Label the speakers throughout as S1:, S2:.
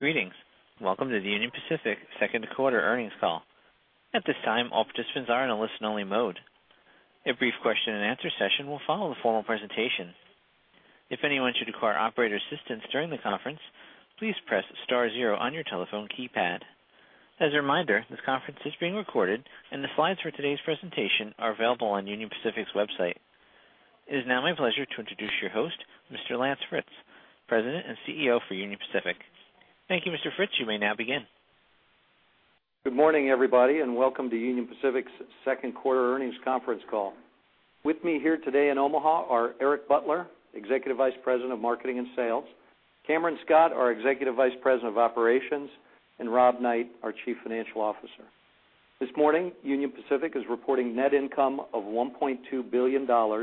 S1: Greetings. Welcome to the Union Pacific second quarter earnings call. At this time, all participants are in a listen-only mode. A brief question-and-answer session will follow the formal presentation. If anyone should require operator assistance during the conference, please press star zero on your telephone keypad. As a reminder, this conference is being recorded, and the slides for today's presentation are available on Union Pacific's website. It is now my pleasure to introduce your host, Mr. Lance Fritz, President and CEO for Union Pacific. Thank you, Mr. Fritz. You may now begin.
S2: Good morning, everybody. Welcome to Union Pacific's second quarter earnings conference call. With me here today in Omaha are Eric Butler, Executive Vice President of Marketing and Sales, Cameron Scott, our Executive Vice President of Operations, and Rob Knight, our Chief Financial Officer. This morning, Union Pacific is reporting net income of $1.2 billion, or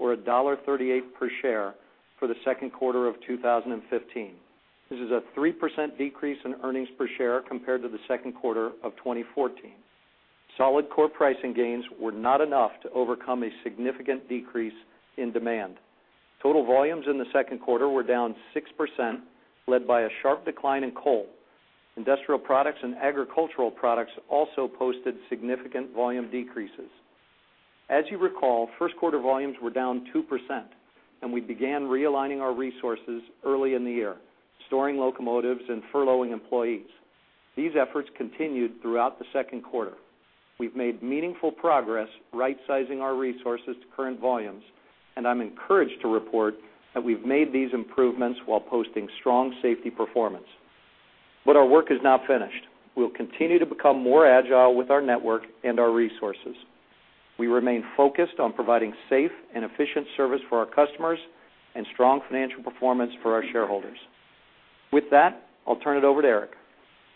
S2: $1.38 per share for the second quarter of 2015. This is a 3% decrease in earnings per share compared to the second quarter of 2014. Solid core pricing gains were not enough to overcome a significant decrease in demand. Total volumes in the second quarter were down 6%, led by a sharp decline in coal. Industrial products and agricultural products also posted significant volume decreases. As you recall, first quarter volumes were down 2%, and we began realigning our resources early in the year, storing locomotives and furloughing employees. These efforts continued throughout the second quarter. We've made meaningful progress rightsizing our resources to current volumes, and I'm encouraged to report that we've made these improvements while posting strong safety performance. Our work is not finished. We'll continue to become more agile with our network and our resources. We remain focused on providing safe and efficient service for our customers and strong financial performance for our shareholders. With that, I'll turn it over to Eric.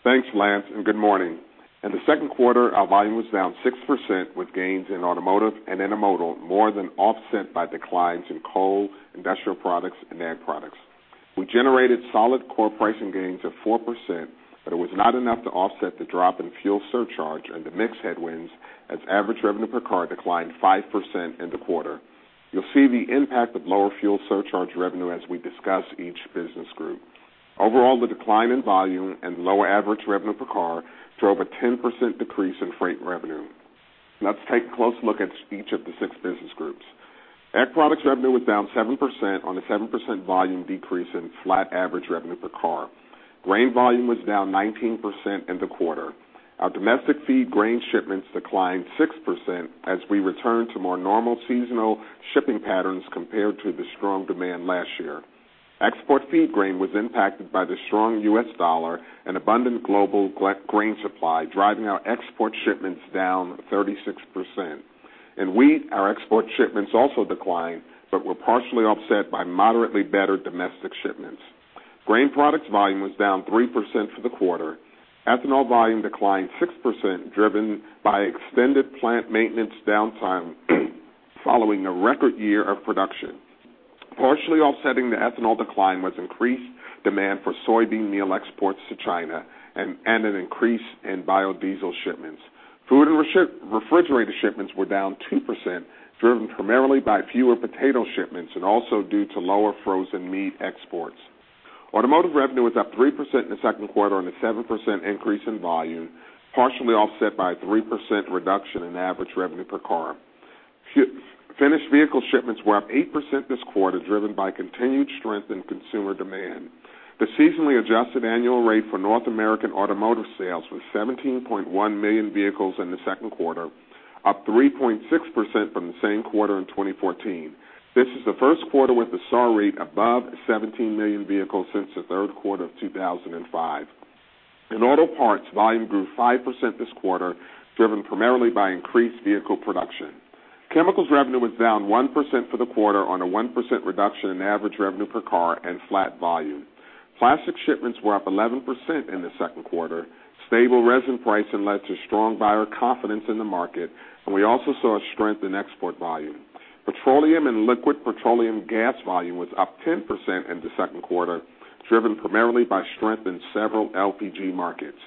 S3: Thanks, Lance, and good morning. In the second quarter, our volume was down 6% with gains in automotive and intermodal more than offset by declines in coal, industrial products, and ag products. We generated solid core pricing gains of 4%, but it was not enough to offset the drop in fuel surcharge and the mix headwinds as average revenue per car declined 5% in the quarter. You'll see the impact of lower fuel surcharge revenue as we discuss each business group. Overall, the decline in volume and lower average revenue per car drove a 10% decrease in freight revenue. Let's take a close look at each of the 6 business groups. Ag products revenue was down 7% on a 7% volume decrease and flat average revenue per car. Grain volume was down 19% in the quarter. Our domestic feed grain shipments declined 6% as we return to more normal seasonal shipping patterns compared to the strong demand last year. Export feed grain was impacted by the strong US dollar and abundant global grain supply, driving our export shipments down 36%. In wheat, our export shipments also declined but were partially offset by moderately better domestic shipments. Grain products volume was down 3% for the quarter. Ethanol volume declined 6%, driven by extended plant maintenance downtime following a record year of production. Partially offsetting the ethanol decline was increased demand for soybean meal exports to China and an increase in biodiesel shipments. Food and refrigerated shipments were down 2%, driven primarily by fewer potato shipments and also due to lower frozen meat exports. Automotive revenue was up 3% in the second quarter on a 7% increase in volume, partially offset by a 3% reduction in average revenue per car. Finished vehicle shipments were up 8% this quarter, driven by continued strength in consumer demand. The seasonally adjusted annual rate for North American automotive sales was 17.1 million vehicles in the second quarter, up 3.6% from the same quarter in 2014. This is the first quarter with a SAAR rate above 17 million vehicles since the third quarter of 2005. In auto parts, volume grew 5% this quarter, driven primarily by increased vehicle production. Chemicals revenue was down 1% for the quarter on a 1% reduction in average revenue per car and flat volume. Plastic shipments were up 11% in the second quarter. Stable resin pricing led to strong buyer confidence in the market, and we also saw a strength in export volume. Petroleum and liquid petroleum gas volume was up 10% in the second quarter, driven primarily by strength in several LPG markets.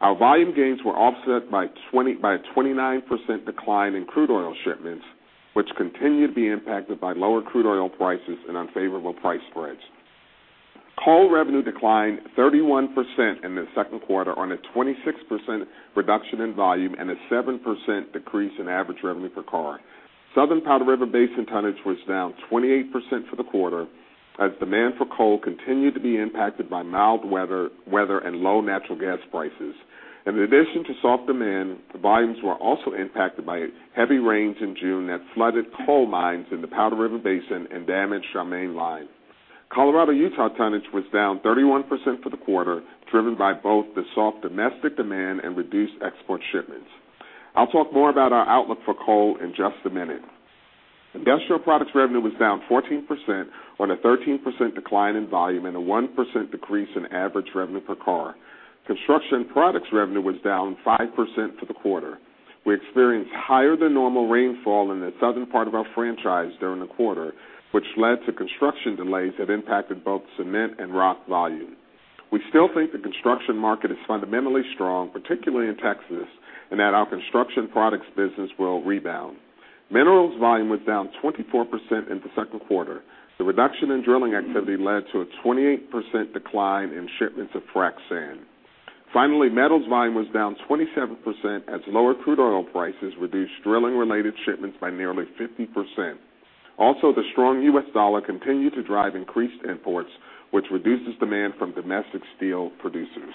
S3: Our volume gains were offset by a 29% decline in crude oil shipments, which continued to be impacted by lower crude oil prices and unfavorable price spreads. Coal revenue declined 31% in the second quarter on a 26% reduction in volume and a 7% decrease in average revenue per car. Southern Powder River Basin tonnage was down 28% for the quarter as demand for coal continued to be impacted by mild weather and low natural gas prices. In addition to soft demand, the volumes were also impacted by heavy rains in June that flooded coal mines in the Powder River Basin and damaged our main line. Colorado-Utah tonnage was down 31% for the quarter, driven by both the soft domestic demand and reduced export shipments. I'll talk more about our outlook for coal in just a minute. Industrial products revenue was down 14% on a 13% decline in volume and a 1% decrease in average revenue per car. Construction products revenue was down 5% for the quarter. We experienced higher-than-normal rainfall in the southern part of our franchise during the quarter, which led to construction delays that impacted both cement and rock volume. We still think the construction market is fundamentally strong, particularly in Texas, and that our construction products business will rebound. Minerals volume was down 24% in the second quarter. The reduction in drilling activity led to a 28% decline in shipments of frac sand. Finally, metals volume was down 27% as lower crude oil prices reduced drilling-related shipments by nearly 50%. Also, the strong US dollar continued to drive increased imports, which reduces demand from domestic steel producers.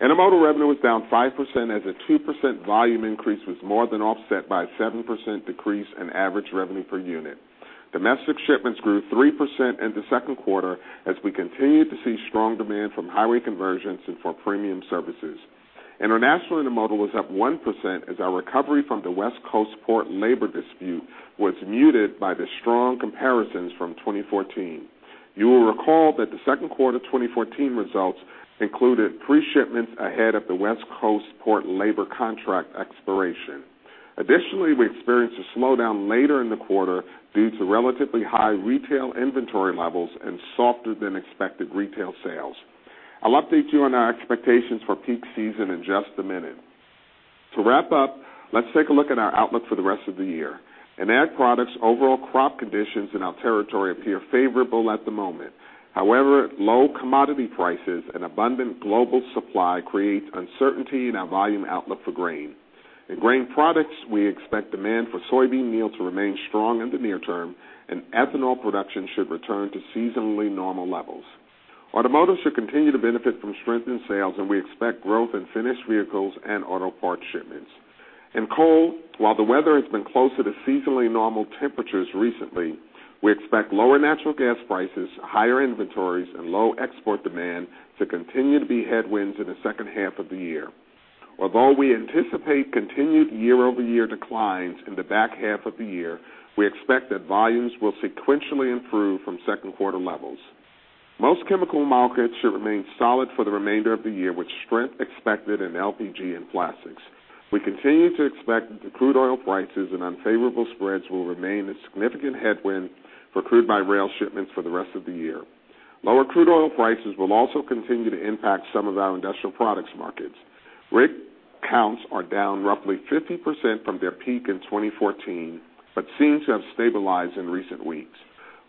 S3: Intermodal revenue was down 5% as a 2% volume increase was more than offset by a 7% decrease in average revenue per unit. Domestic shipments grew 3% in the second quarter as we continued to see strong demand from highway conversions and from premium services. International Intermodal was up 1% as our recovery from the West Coast port labor dispute was muted by the strong comparisons from 2014. You will recall that the second quarter 2014 results included pre-shipments ahead of the West Coast port labor contract expiration. Additionally, we experienced a slowdown later in the quarter due to relatively high retail inventory levels and softer than expected retail sales. I'll update you on our expectations for peak season in just a minute. To wrap up, let's take a look at our outlook for the rest of the year. In Ag Products, overall crop conditions in our territory appear favorable at the moment. However, low commodity prices and abundant global supply create uncertainty in our volume outlook for grain. In Grain Products, we expect demand for soybean meal to remain strong in the near term, and ethanol production should return to seasonally normal levels. Automotive should continue to benefit from strengthened sales, and we expect growth in finished vehicles and auto parts shipments. In Coal, while the weather has been closer to seasonally normal temperatures recently, we expect lower natural gas prices, higher inventories, and low export demand to continue to be headwinds in the second half of the year. Although we anticipate continued year-over-year declines in the back half of the year, we expect that volumes will sequentially improve from second quarter levels. Most Chemical markets should remain solid for the remainder of the year, with strength expected in LPG and plastics. We continue to expect that the crude oil prices and unfavorable spreads will remain a significant headwind for crude by rail shipments for the rest of the year. Lower crude oil prices will also continue to impact some of our Industrial Products markets. Rig counts are down roughly 50% from their peak in 2014 but seem to have stabilized in recent weeks.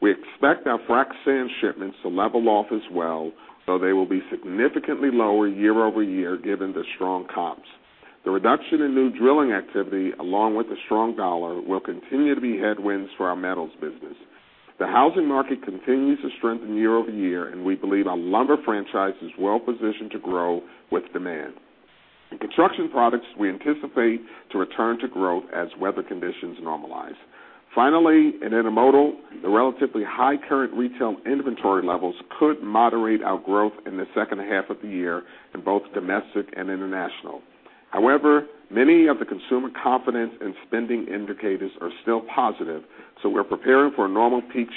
S3: We expect our frac sand shipments to level off as well, so they will be significantly lower year-over-year given the strong comps. The reduction in new drilling activity, along with the strong dollar, will continue to be headwinds for our metals business. The housing market continues to strengthen year-over-year, and we believe our lumber franchise is well-positioned to grow with demand. In Construction Products, we anticipate to return to growth as weather conditions normalize. Finally, in Intermodal, the relatively high current retail inventory levels could moderate our growth in the second half of the year in both domestic and international. However, many of the consumer confidence and spending indicators are still positive, so we're preparing for a normal peak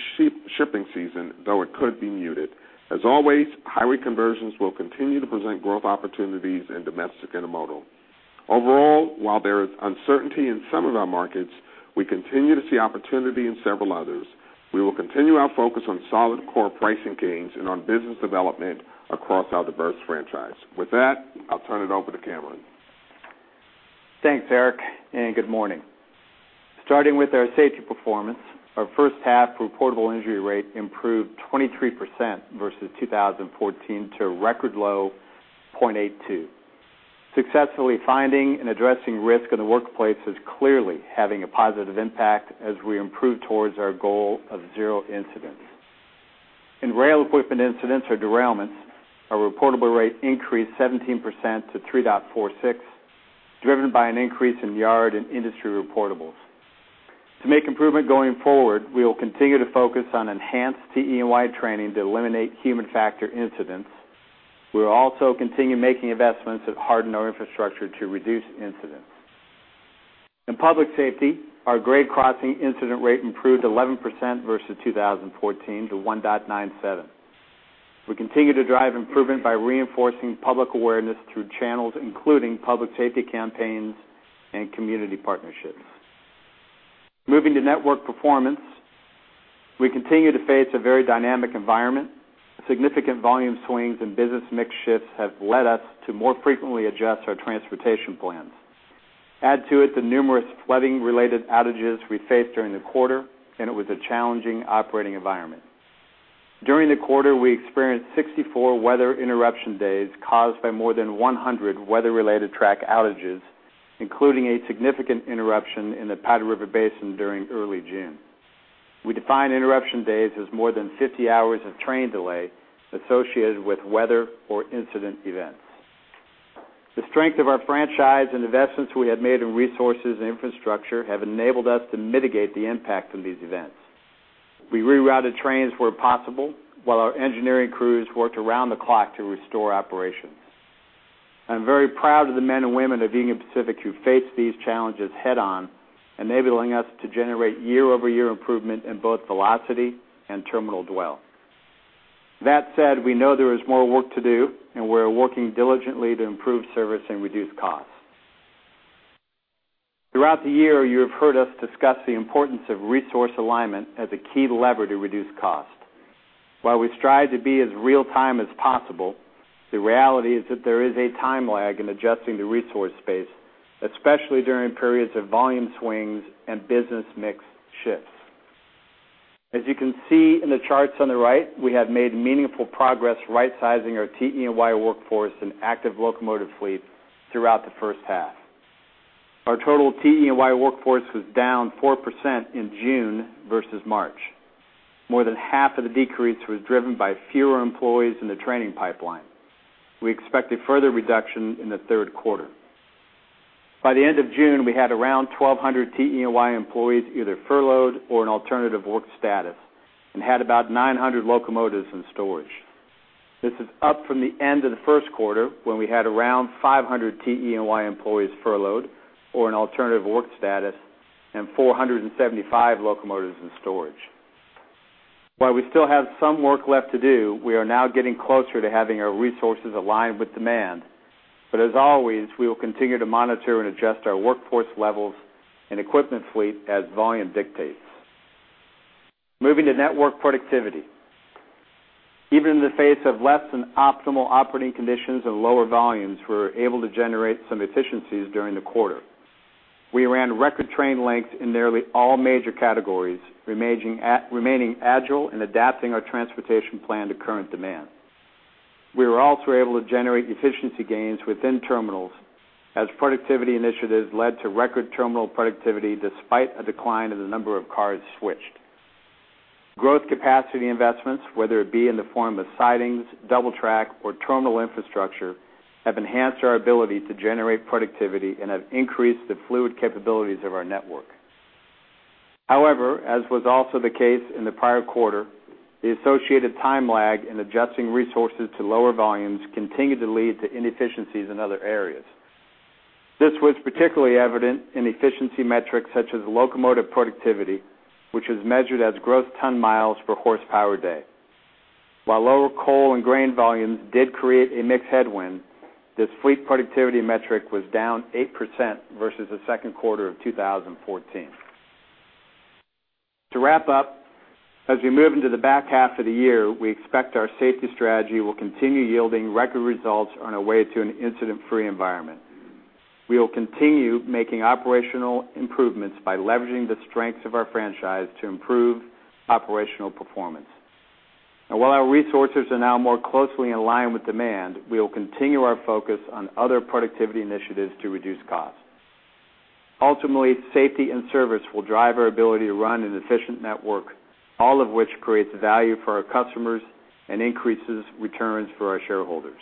S3: shipping season, though it could be muted. As always, highway conversions will continue to present growth opportunities in domestic intermodal. Overall, while there is uncertainty in some of our markets, we continue to see opportunity in several others. We will continue our focus on solid core pricing gains and on business development across our diverse franchise. With that, I'll turn it over to Cameron.
S4: Thanks, Eric, and good morning. Starting with our safety performance, our first half reportable injury rate improved 23% versus 2014 to a record low 0.82. Successfully finding and addressing risk in the workplace is clearly having a positive impact as we improve towards our goal of zero incidents. In rail equipment incidents or derailments, our reportable rate increased 17% to 3.46, driven by an increase in yard and industry reportables. To make improvement going forward, we will continue to focus on enhanced TE&Y training to eliminate human factor incidents. We will also continue making investments that harden our infrastructure to reduce incidents. In public safety, our grade crossing incident rate improved 11% versus 2014 to 1.97. We continue to drive improvement by reinforcing public awareness through channels including public safety campaigns and community partnerships. Moving to network performance, we continue to face a very dynamic environment. Significant volume swings and business mix shifts have led us to more frequently adjust our transportation plans. Add to it the numerous flooding-related outages we faced during the quarter, and it was a challenging operating environment. During the quarter, we experienced 64 weather interruption days caused by more than 100 weather-related track outages, including a significant interruption in the Powder River Basin during early June. We define interruption days as more than 50 hours of train delay associated with weather or incident events. The strength of our franchise and investments we have made in resources and infrastructure have enabled us to mitigate the impact from these events. We rerouted trains where possible while our engineering crews worked around the clock to restore operations. I'm very proud of the men and women of Union Pacific who faced these challenges head-on, enabling us to generate year-over-year improvement in both velocity and terminal dwell. That said, we know there is more work to do, and we are working diligently to improve service and reduce costs. Throughout the year, you have heard us discuss the importance of resource alignment as a key lever to reduce cost. While we strive to be as real time as possible, the reality is that there is a time lag in adjusting the resource space, especially during periods of volume swings and business mix shifts. As you can see in the charts on the right, we have made meaningful progress rightsizing our TE&Y workforce and active locomotive fleet throughout the first half. Our total TE&Y workforce was down 4% in June versus March. More than half of the decrease was driven by fewer employees in the training pipeline. We expect a further reduction in the third quarter. By the end of June, we had around 1,200 TE&Y employees, either furloughed or on alternative work status, and had about 900 locomotives in storage. This is up from the end of the first quarter, when we had around 500 TE&Y employees furloughed or on alternative work status and 475 locomotives in storage. While we still have some work left to do, we are now getting closer to having our resources aligned with demand. As always, we will continue to monitor and adjust our workforce levels and equipment fleet as volume dictates. Moving to network productivity. Even in the face of less than optimal operating conditions and lower volumes, we were able to generate some efficiencies during the quarter. We ran record train lengths in nearly all major categories, remaining agile and adapting our transportation plan to current demand. We were also able to generate efficiency gains within terminals as productivity initiatives led to record terminal productivity despite a decline in the number of cars switched. Growth capacity investments, whether it be in the form of sidings, double track, or terminal infrastructure, have enhanced our ability to generate productivity and have increased the fluid capabilities of our network. However, as was also the case in the prior quarter, the associated time lag in adjusting resources to lower volumes continued to lead to inefficiencies in other areas. This was particularly evident in efficiency metrics such as locomotive productivity, which is measured as gross ton miles per horsepower day. While lower coal and grain volumes did create a mixed headwind, this fleet productivity metric was down 8% versus the second quarter of 2014. To wrap up, as we move into the back half of the year, we expect our safety strategy will continue yielding record results on our way to an incident-free environment. We will continue making operational improvements by leveraging the strengths of our franchise to improve operational performance. While our resources are now more closely in line with demand, we will continue our focus on other productivity initiatives to reduce costs. Ultimately, safety and service will drive our ability to run an efficient network, all of which creates value for our customers and increases returns for our shareholders.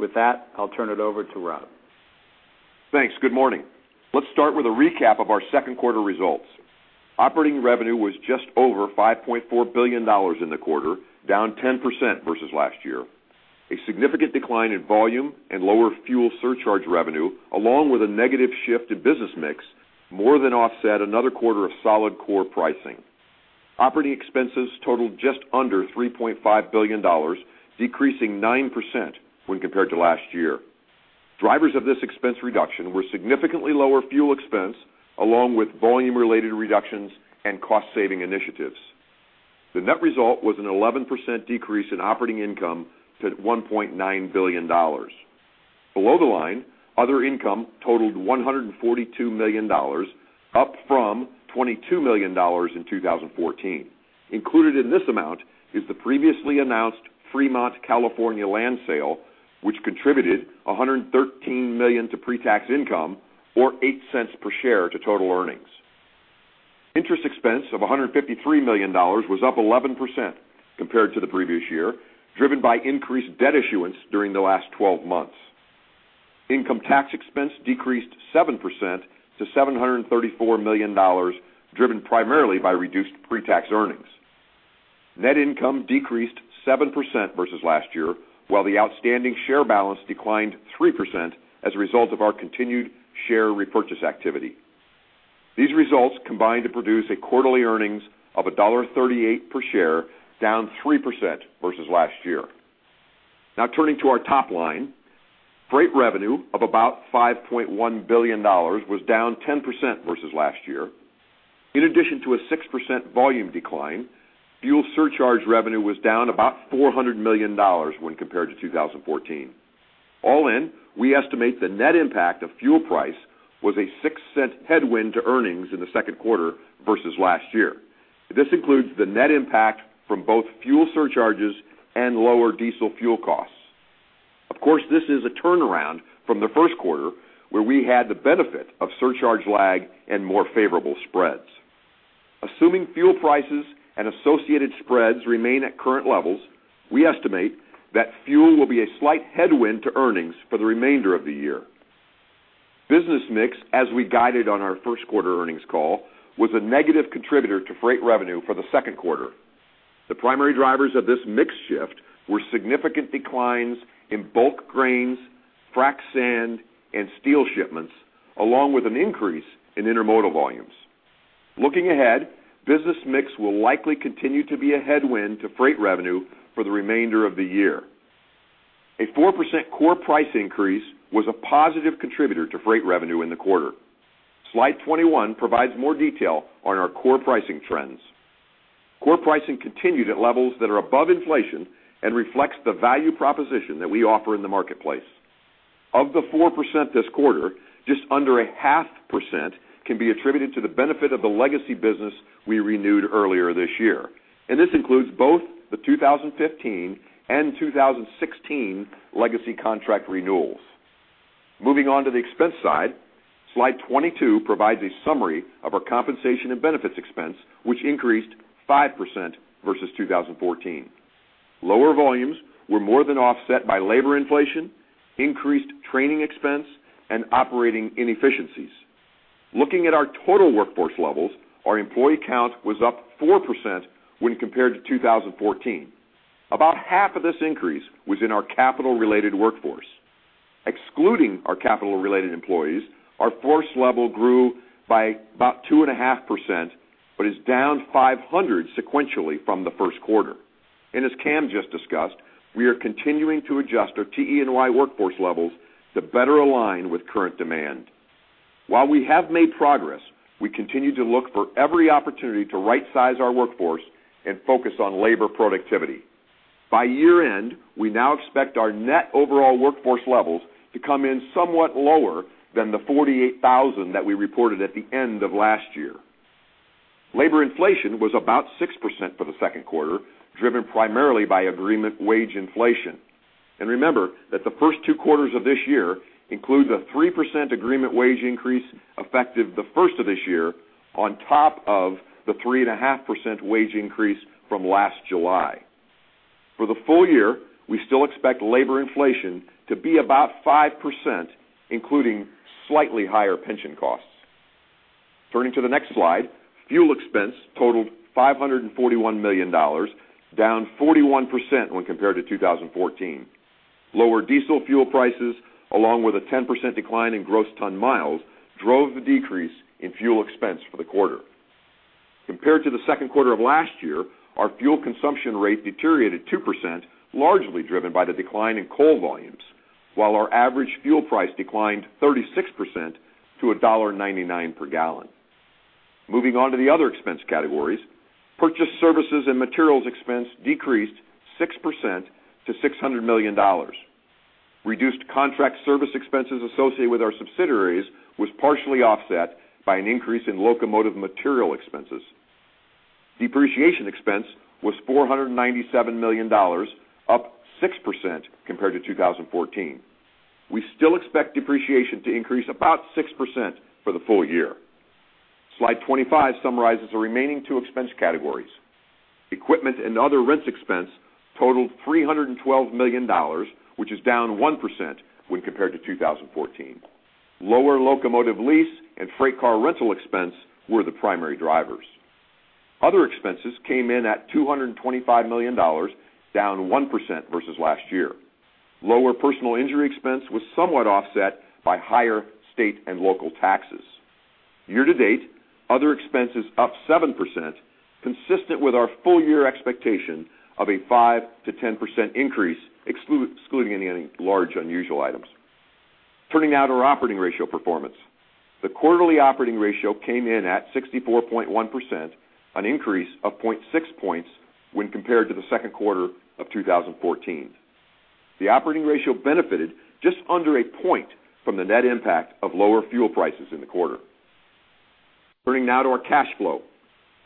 S4: With that, I'll turn it over to Rob.
S5: Thanks. Good morning. Let's start with a recap of our second quarter results. Operating revenue was just over $5.4 billion in the quarter, down 10% versus last year. A significant decline in volume and lower fuel surcharge revenue, along with a negative shift in business mix, more than offset another quarter of solid core pricing. Operating expenses totaled just under $3.5 billion, decreasing 9% when compared to last year. Drivers of this expense reduction were significantly lower fuel expense, along with volume-related reductions and cost-saving initiatives. The net result was an 11% decrease in operating income to $1.9 billion. Below the line, other income totaled $142 million, up from $22 million in 2014. Included in this amount is the previously announced Fremont, California, land sale, which contributed $113 million to pre-tax income or $0.08 per share to total earnings. Interest expense of $153 million was up 11% compared to the previous year, driven by increased debt issuance during the last 12 months. Income tax expense decreased 7% to $734 million, driven primarily by reduced pre-tax earnings. Net income decreased 7% versus last year, while the outstanding share balance declined 3% as a result of our continued share repurchase activity. These results combined to produce a quarterly earnings of $1.38 per share, down 3% versus last year. Now turning to our top line. Freight revenue of about $5.1 billion was down 10% versus last year. In addition to a 6% volume decline, fuel surcharge revenue was down about $400 million when compared to 2014. All in, we estimate the net impact of fuel price was a $0.06 headwind to earnings in the second quarter versus last year. This includes the net impact from both fuel surcharges and lower diesel fuel costs. Of course, this is a turnaround from the first quarter, where we had the benefit of surcharge lag and more favorable spreads. Assuming fuel prices and associated spreads remain at current levels, we estimate that fuel will be a slight headwind to earnings for the remainder of the year. Business mix, as we guided on our first quarter earnings call, was a negative contributor to freight revenue for the second quarter. The primary drivers of this mix shift were significant declines in bulk grains, frac sand, and steel shipments, along with an increase in intermodal volumes. Looking ahead, business mix will likely continue to be a headwind to freight revenue for the remainder of the year. A 4% core price increase was a positive contributor to freight revenue in the quarter. Slide 21 provides more detail on our core pricing trends. Core pricing continued at levels that are above inflation and reflects the value proposition that we offer in the marketplace. Of the 4% this quarter, just under 0.5% can be attributed to the benefit of the legacy business we renewed earlier this year. This includes both the 2015 and 2016 legacy contract renewals. Moving on to the expense side, Slide 22 provides a summary of our compensation and benefits expense, which increased 5% versus 2014. Lower volumes were more than offset by labor inflation, increased training expense, and operating inefficiencies. Looking at our total workforce levels, our employee count was up 4% when compared to 2014. About half of this increase was in our capital-related workforce. Excluding our capital-related employees, our force level grew by about 2.5%, but is down 500 sequentially from the first quarter. As Cam just discussed, we are continuing to adjust our TE&Y workforce levels to better align with current demand. While we have made progress, we continue to look for every opportunity to right-size our workforce and focus on labor productivity. By year-end, we now expect our net overall workforce levels to come in somewhat lower than the 48,000 that we reported at the end of last year. Labor inflation was about 6% for the second quarter, driven primarily by agreement wage inflation. Remember that the first two quarters of this year include the 3% agreement wage increase effective the first of this year on top of the 3.5% wage increase from last July. For the full year, we still expect labor inflation to be about 5%, including slightly higher pension costs. Turning to the next slide, fuel expense totaled $541 million, down 41% when compared to 2014. Lower diesel fuel prices, along with a 10% decline in gross ton miles, drove the decrease in fuel expense for the quarter. Compared to the second quarter of last year, our fuel consumption rate deteriorated 2%, largely driven by the decline in coal volumes, while our average fuel price declined 36% to $1.99 per gallon. Moving on to the other expense categories, purchased services and materials expense decreased 6% to $600 million. Reduced contract service expenses associated with our subsidiaries was partially offset by an increase in locomotive material expenses. Depreciation expense was $497 million, up 6% compared to 2014. We still expect depreciation to increase about 6% for the full year. Slide 25 summarizes the remaining two expense categories. Equipment and other rents expense totaled $312 million, which is down 1% when compared to 2014. Lower locomotive lease and freight car rental expense were the primary drivers. Other expenses came in at $225 million, down 1% versus last year. Lower personal injury expense was somewhat offset by higher state and local taxes. Year-to-date, other expenses up 7%, consistent with our full-year expectation of a 5%-10% increase, excluding any large unusual items. Turning now to our operating ratio performance. The quarterly operating ratio came in at 64.1%, an increase of 0.6 points when compared to the second quarter of 2014. The operating ratio benefited just under a point from the net impact of lower fuel prices in the quarter. Turning now to our cash flow.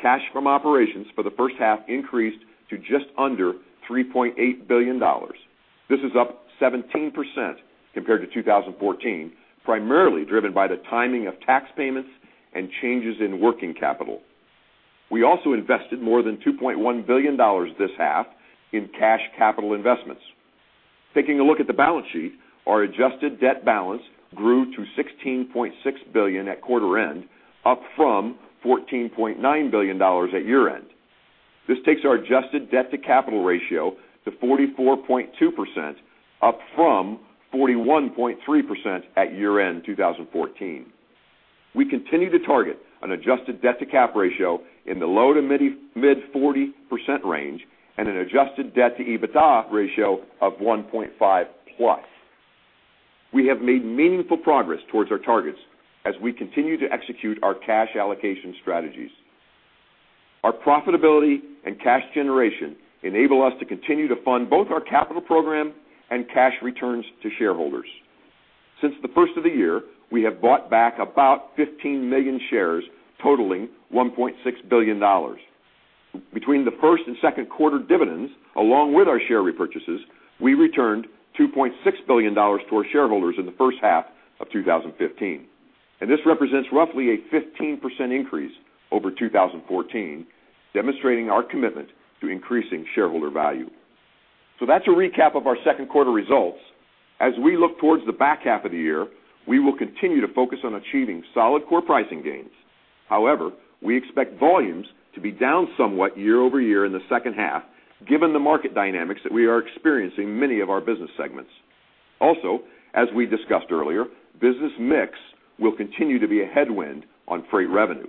S5: Cash from operations for the first half increased to just under $3.8 billion. This is up 17% compared to 2014, primarily driven by the timing of tax payments and changes in working capital. We also invested more than $2.1 billion this half in cash capital investments. Taking a look at the balance sheet, our adjusted debt balance grew to $16.6 billion at quarter end, up from $14.9 billion at year-end. This takes our adjusted debt-to-capital ratio to 44.2%, up from 41.3% at year-end 2014. We continue to target an adjusted debt-to-cap ratio in the low- to mid-40% range and an adjusted debt-to-EBITDA ratio of 1.5 plus. We have made meaningful progress towards our targets as we continue to execute our cash allocation strategies. Our profitability and cash generation enable us to continue to fund both our capital program and cash returns to shareholders. Since the first of the year, we have bought back about 15 million shares totaling $1.6 billion. Between the first and second quarter dividends, along with our share repurchases, we returned $2.6 billion to our shareholders in the first half of 2015, and this represents roughly a 15% increase over 2014, demonstrating our commitment to increasing shareholder value. That's a recap of our second quarter results. As we look towards the back half of the year, we will continue to focus on achieving solid core pricing gains. However, we expect volumes to be down somewhat year-over-year in the second half, given the market dynamics that we are experiencing in many of our business segments. As we discussed earlier, business mix will continue to be a headwind on freight revenue.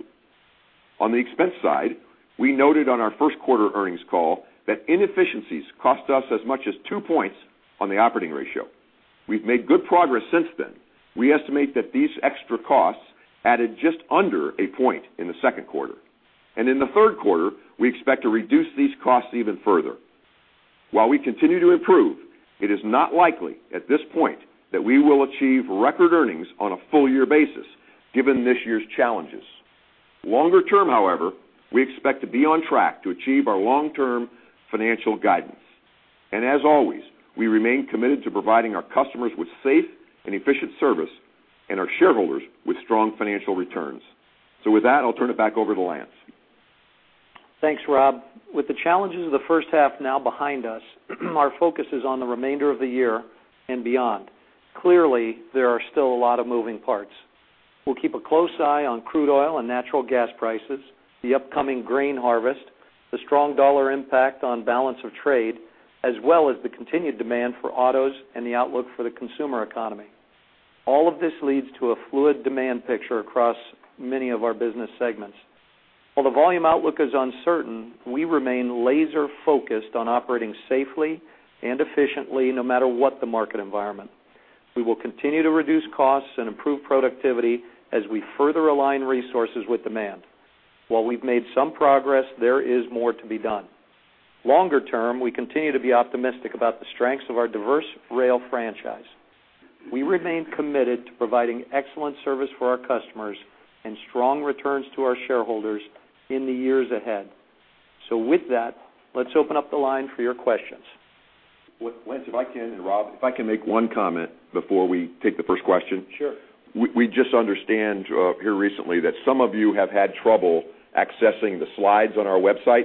S5: On the expense side, we noted on our first quarter earnings call that inefficiencies cost us as much as two points on the operating ratio. We've made good progress since then. We estimate that these extra costs added just under a point in the second quarter. In the third quarter, we expect to reduce these costs even further. While we continue to improve, it is not likely at this point that we will achieve record earnings on a full-year basis given this year's challenges. Longer term, however, we expect to be on track to achieve our long-term financial guidance. As always, we remain committed to providing our customers with safe and efficient service and our shareholders with strong financial returns. With that, I'll turn it back over to Lance.
S2: Thanks, Rob. With the challenges of the first half now behind us, our focus is on the remainder of the year and beyond. Clearly, there are still a lot of moving parts. We'll keep a close eye on crude oil and natural gas prices, the upcoming grain harvest, the strong dollar impact on balance of trade, as well as the continued demand for autos and the outlook for the consumer economy. All of this leads to a fluid demand picture across many of our business segments. While the volume outlook is uncertain, we remain laser-focused on operating safely and efficiently, no matter what the market environment. We will continue to reduce costs and improve productivity as we further align resources with demand. While we've made some progress, there is more to be done. Longer term, we continue to be optimistic about the strengths of our diverse rail franchise. We remain committed to providing excellent service for our customers and strong returns to our shareholders in the years ahead. With that, let's open up the line for your questions.
S5: Lance, if I can, and Rob, if I can make one comment before we take the first question.
S2: Sure. We just understand here recently that some of you have had trouble accessing the slides on our website.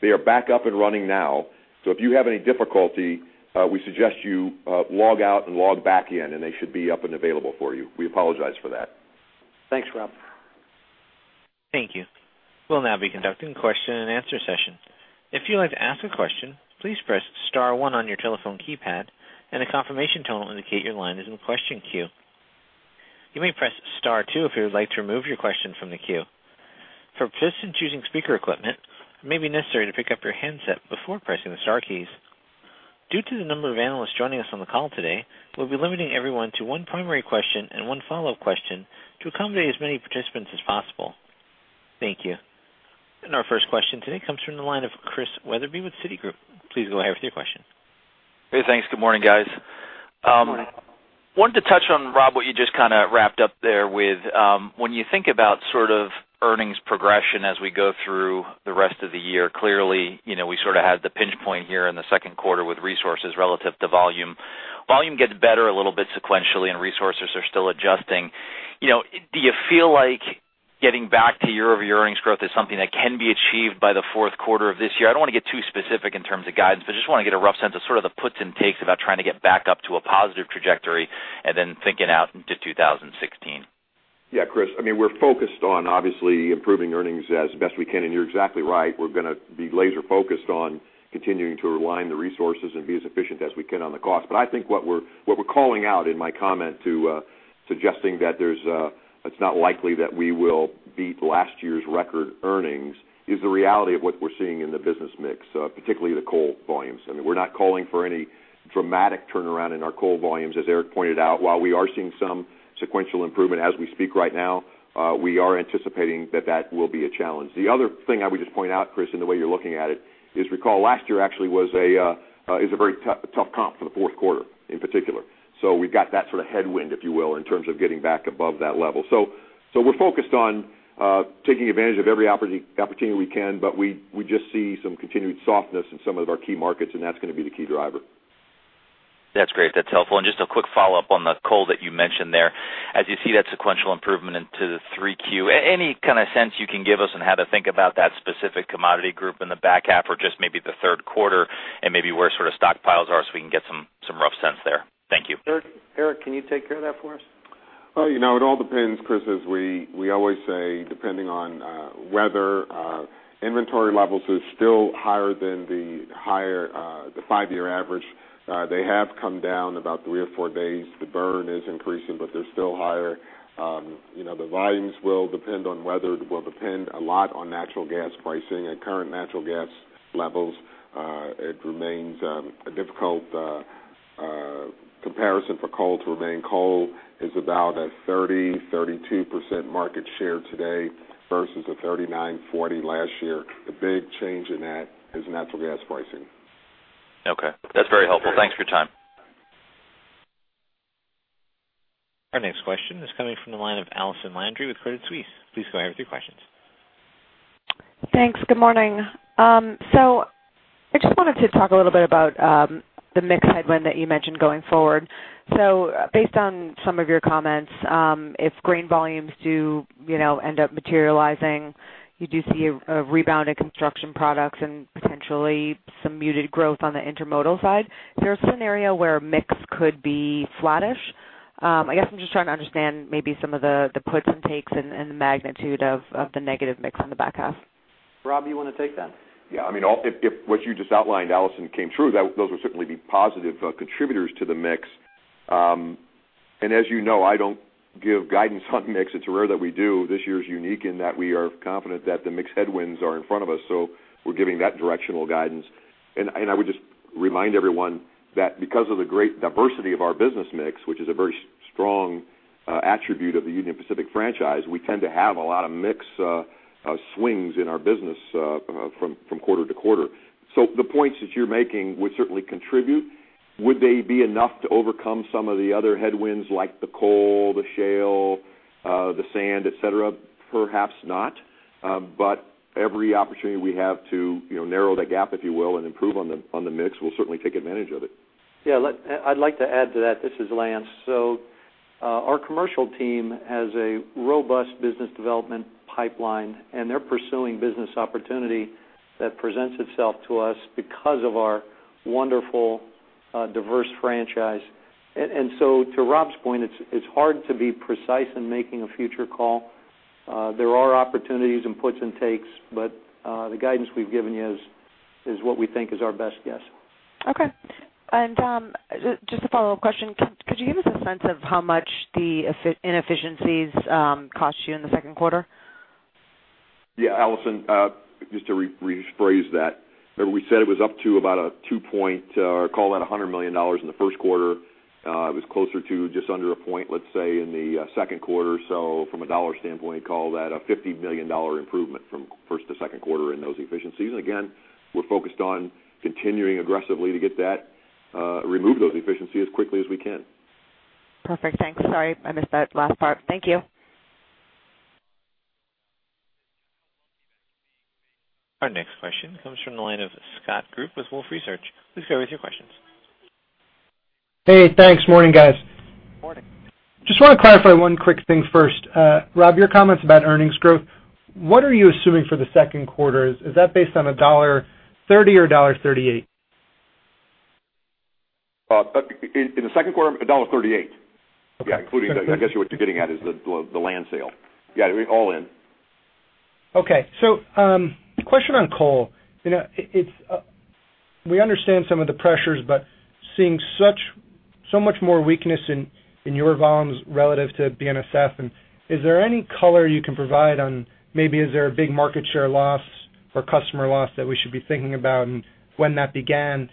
S2: They are back up and running now, so if you have any difficulty, we suggest you log out and log back in, and they should be up and available for you. We apologize for that. Thanks, Rob.
S1: Thank you. We'll now be conducting a question and answer session. If you'd like to ask a question, please press *1 on your telephone keypad, and a confirmation tone will indicate your line is in the question queue. You may press *2 if you would like to remove your question from the queue. For participants using speaker equipment, it may be necessary to pick up your handset before pressing the star keys. Due to the number of analysts joining us on the call today, we'll be limiting everyone to one primary question and one follow-up question to accommodate as many participants as possible. Thank you. Our first question today comes from the line of Chris Wetherbee with Citigroup. Please go ahead with your question.
S6: Hey, thanks. Good morning, guys.
S2: Good morning.
S6: Wanted to touch on, Rob, what you just wrapped up there with, when you think about earnings progression as we go through the rest of the year, clearly, we had the pinch point here in the second quarter with resources relative to volume. Volume gets better a little bit sequentially, and resources are still adjusting. Do you feel like getting back to year-over-year earnings growth is something that can be achieved by the fourth quarter of this year? I don't want to get too specific in terms of guidance, but I just want to get a rough sense of the puts and takes about trying to get back up to a positive trajectory and then thinking out into 2016.
S5: Yeah, Chris, we're focused on obviously improving earnings as best we can, and you're exactly right. We're going to be laser-focused on continuing to align the resources and be as efficient as we can on the cost. I think what we're calling out in my comment to suggesting that it's not likely that we will beat last year's record earnings is the reality of what we're seeing in the business mix, particularly the coal volumes. We're not calling for any dramatic turnaround in our coal volumes, as Eric pointed out. While we are seeing some sequential improvement as we speak right now, we are anticipating that that will be a challenge. The other thing I would just point out, Chris, in the way you're looking at it, is recall last year actually was a very tough comp for the fourth quarter in particular. We've got that sort of headwind, if you will, in terms of getting back above that level. We're focused on taking advantage of every opportunity we can, but we just see some continued softness in some of our key markets, and that's going to be the key driver.
S6: That's great. That's helpful. Just a quick follow-up on the coal that you mentioned there. As you see that sequential improvement into the 3Q, any kind of sense you can give us on how to think about that specific commodity group in the back half or just maybe the third quarter and maybe where stockpiles are so we can get some rough sense there? Thank you.
S2: Eric, can you take care of that for us?
S3: It all depends, Chris, as we always say, depending on weather. Inventory levels are still higher than the five-year average. They have come down about three or four days. The burn is increasing, but they're still higher. The volumes will depend on weather. It will depend a lot on natural gas pricing. At current natural gas levels, it remains a difficult comparison for coal to remain. Coal is about a 30%, 32% market share today versus a 39%, 40% last year. The big change in that is natural gas pricing.
S6: Okay. That's very helpful. Thanks for your time.
S1: Our next question is coming from the line of Allison Landry with Credit Suisse. Please go ahead with your questions.
S7: Thanks. Good morning. I just wanted to talk a little bit about the mix headwind that you mentioned going forward. Based on some of your comments, if grain volumes do end up materializing, you do see a rebound in construction products and potentially some muted growth on the intermodal side. Is there a scenario where mix could be flattish? I guess I'm just trying to understand maybe some of the puts and takes and the magnitude of the negative mix on the back half.
S2: Rob, you want to take that?
S5: Yeah. If what you just outlined, Allison, came true, those would certainly be positive contributors to the mix. As you know, I don't give guidance on mix. It's rare that we do. This year is unique in that we are confident that the mix headwinds are in front of us, we're giving that directional guidance. I would just remind everyone that because of the great diversity of our business mix, which is a very strong attribute of the Union Pacific franchise, we tend to have a lot of mix swings in our business from quarter to quarter. The points that you're making would certainly contribute. Would they be enough to overcome some of the other headwinds like the coal, the shale, the sand, et cetera? Perhaps not. Every opportunity we have to narrow that gap, if you will, and improve on the mix, we'll certainly take advantage of it.
S2: I'd like to add to that. This is Lance. Our commercial team has a robust business development pipeline, and they're pursuing business opportunity that presents itself to us because of our wonderful, diverse franchise. To Rob's point, it's hard to be precise in making a future call. There are opportunities and puts and takes, but the guidance we've given you is what we think is our best guess.
S7: Okay. Just a follow-up question, could you give us a sense of how much the inefficiencies cost you in the second quarter?
S5: Yeah, Allison, just to rephrase that, remember we said it was up to about a two point, call that $100 million in the first quarter. It was closer to just under a point, let's say, in the second quarter. From a dollar standpoint, call that a $50 million improvement from first to second quarter in those efficiencies. Again, we're focused on continuing aggressively to remove those efficiencies as quickly as we can.
S7: Perfect. Thanks. Sorry, I missed that last part. Thank you.
S1: Our next question comes from the line of Scott Group with Wolfe Research. Please go with your questions.
S8: Hey, thanks. Morning, guys.
S2: Morning.
S8: Just want to clarify one quick thing first. Rob, your comments about earnings growth, what are you assuming for the second quarter? Is that based on $1.30 or $1.38?
S5: In the second quarter, $1.38.
S8: Okay.
S5: I guess what you're getting at is the land sale. Yeah, all in.
S8: Okay. Question on coal. We understand some of the pressures, but seeing so much more weakness in your volumes relative to BNSF, is there any color you can provide on maybe is there a big market share loss or customer loss that we should be thinking about and when that began?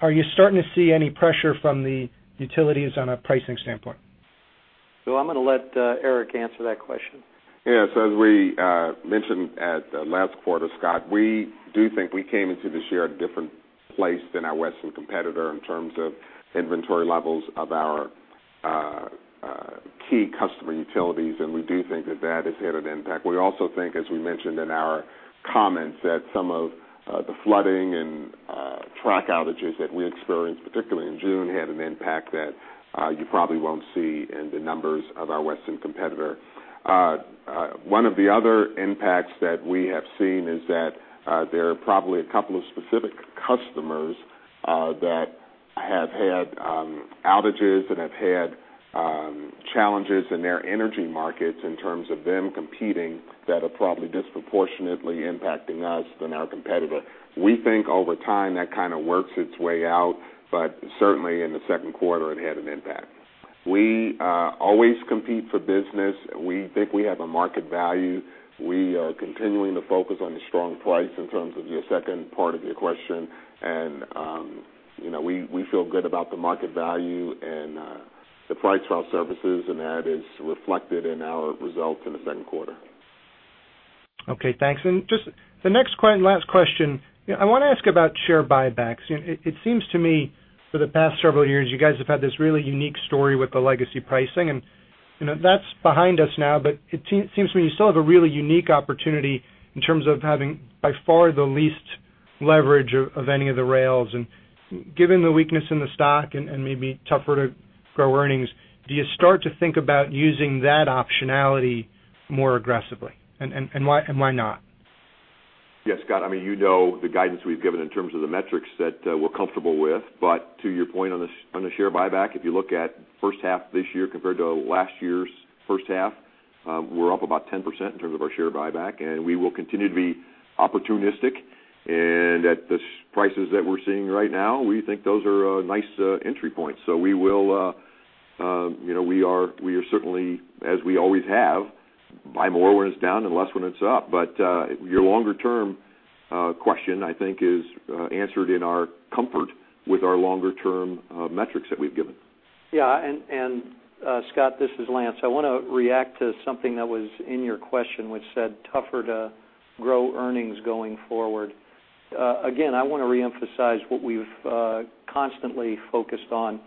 S8: Are you starting to see any pressure from the utilities on a pricing standpoint?
S2: I'm going to let Eric answer that question.
S3: As we mentioned at last quarter, Scott, we do think we came into this year at a different place than our Western competitor in terms of inventory levels of our key customer utilities, and we do think that that has had an impact. We also think, as we mentioned in our comments, that some of the flooding and track outages that we experienced, particularly in June, had an impact that you probably won't see in the numbers of our Western competitor. One of the other impacts that we have seen is that there are probably a couple of specific customers that have had outages and have had challenges in their energy markets in terms of them competing that are probably disproportionately impacting us than our competitor. We think over time, that kind of works its way out, but certainly in the second quarter it had an impact. We always compete for business. We think we have a market value. We are continuing to focus on the strong price in terms of your second part of your question. We feel good about the market value and the price for our services. That is reflected in our results in the second quarter.
S8: Okay, thanks. Just the next and last question, I want to ask about share buybacks. It seems to me for the past several years, you guys have had this really unique story with the legacy pricing. That is behind us now. It seems to me you still have a really unique opportunity in terms of having by far the least leverage of any of the rails. Given the weakness in the stock and maybe tougher to grow earnings, do you start to think about using that optionality more aggressively? Why not?
S5: Yeah, Scott, you know the guidance we've given in terms of the metrics that we're comfortable with. To your point on the share buyback, if you look at first half this year compared to last year's first half, we're up about 10% in terms of our share buyback. We will continue to be opportunistic. At the prices that we're seeing right now, we think those are nice entry points. We are certainly, as we always have, buy more when it's down and less when it's up. Your longer-term question, I think, is answered in our comfort with our longer-term metrics that we've given.
S2: Yeah. Scott, this is Lance. I want to react to something that was in your question, which said tougher to grow earnings going forward. Again, I want to reemphasize what we've constantly focused on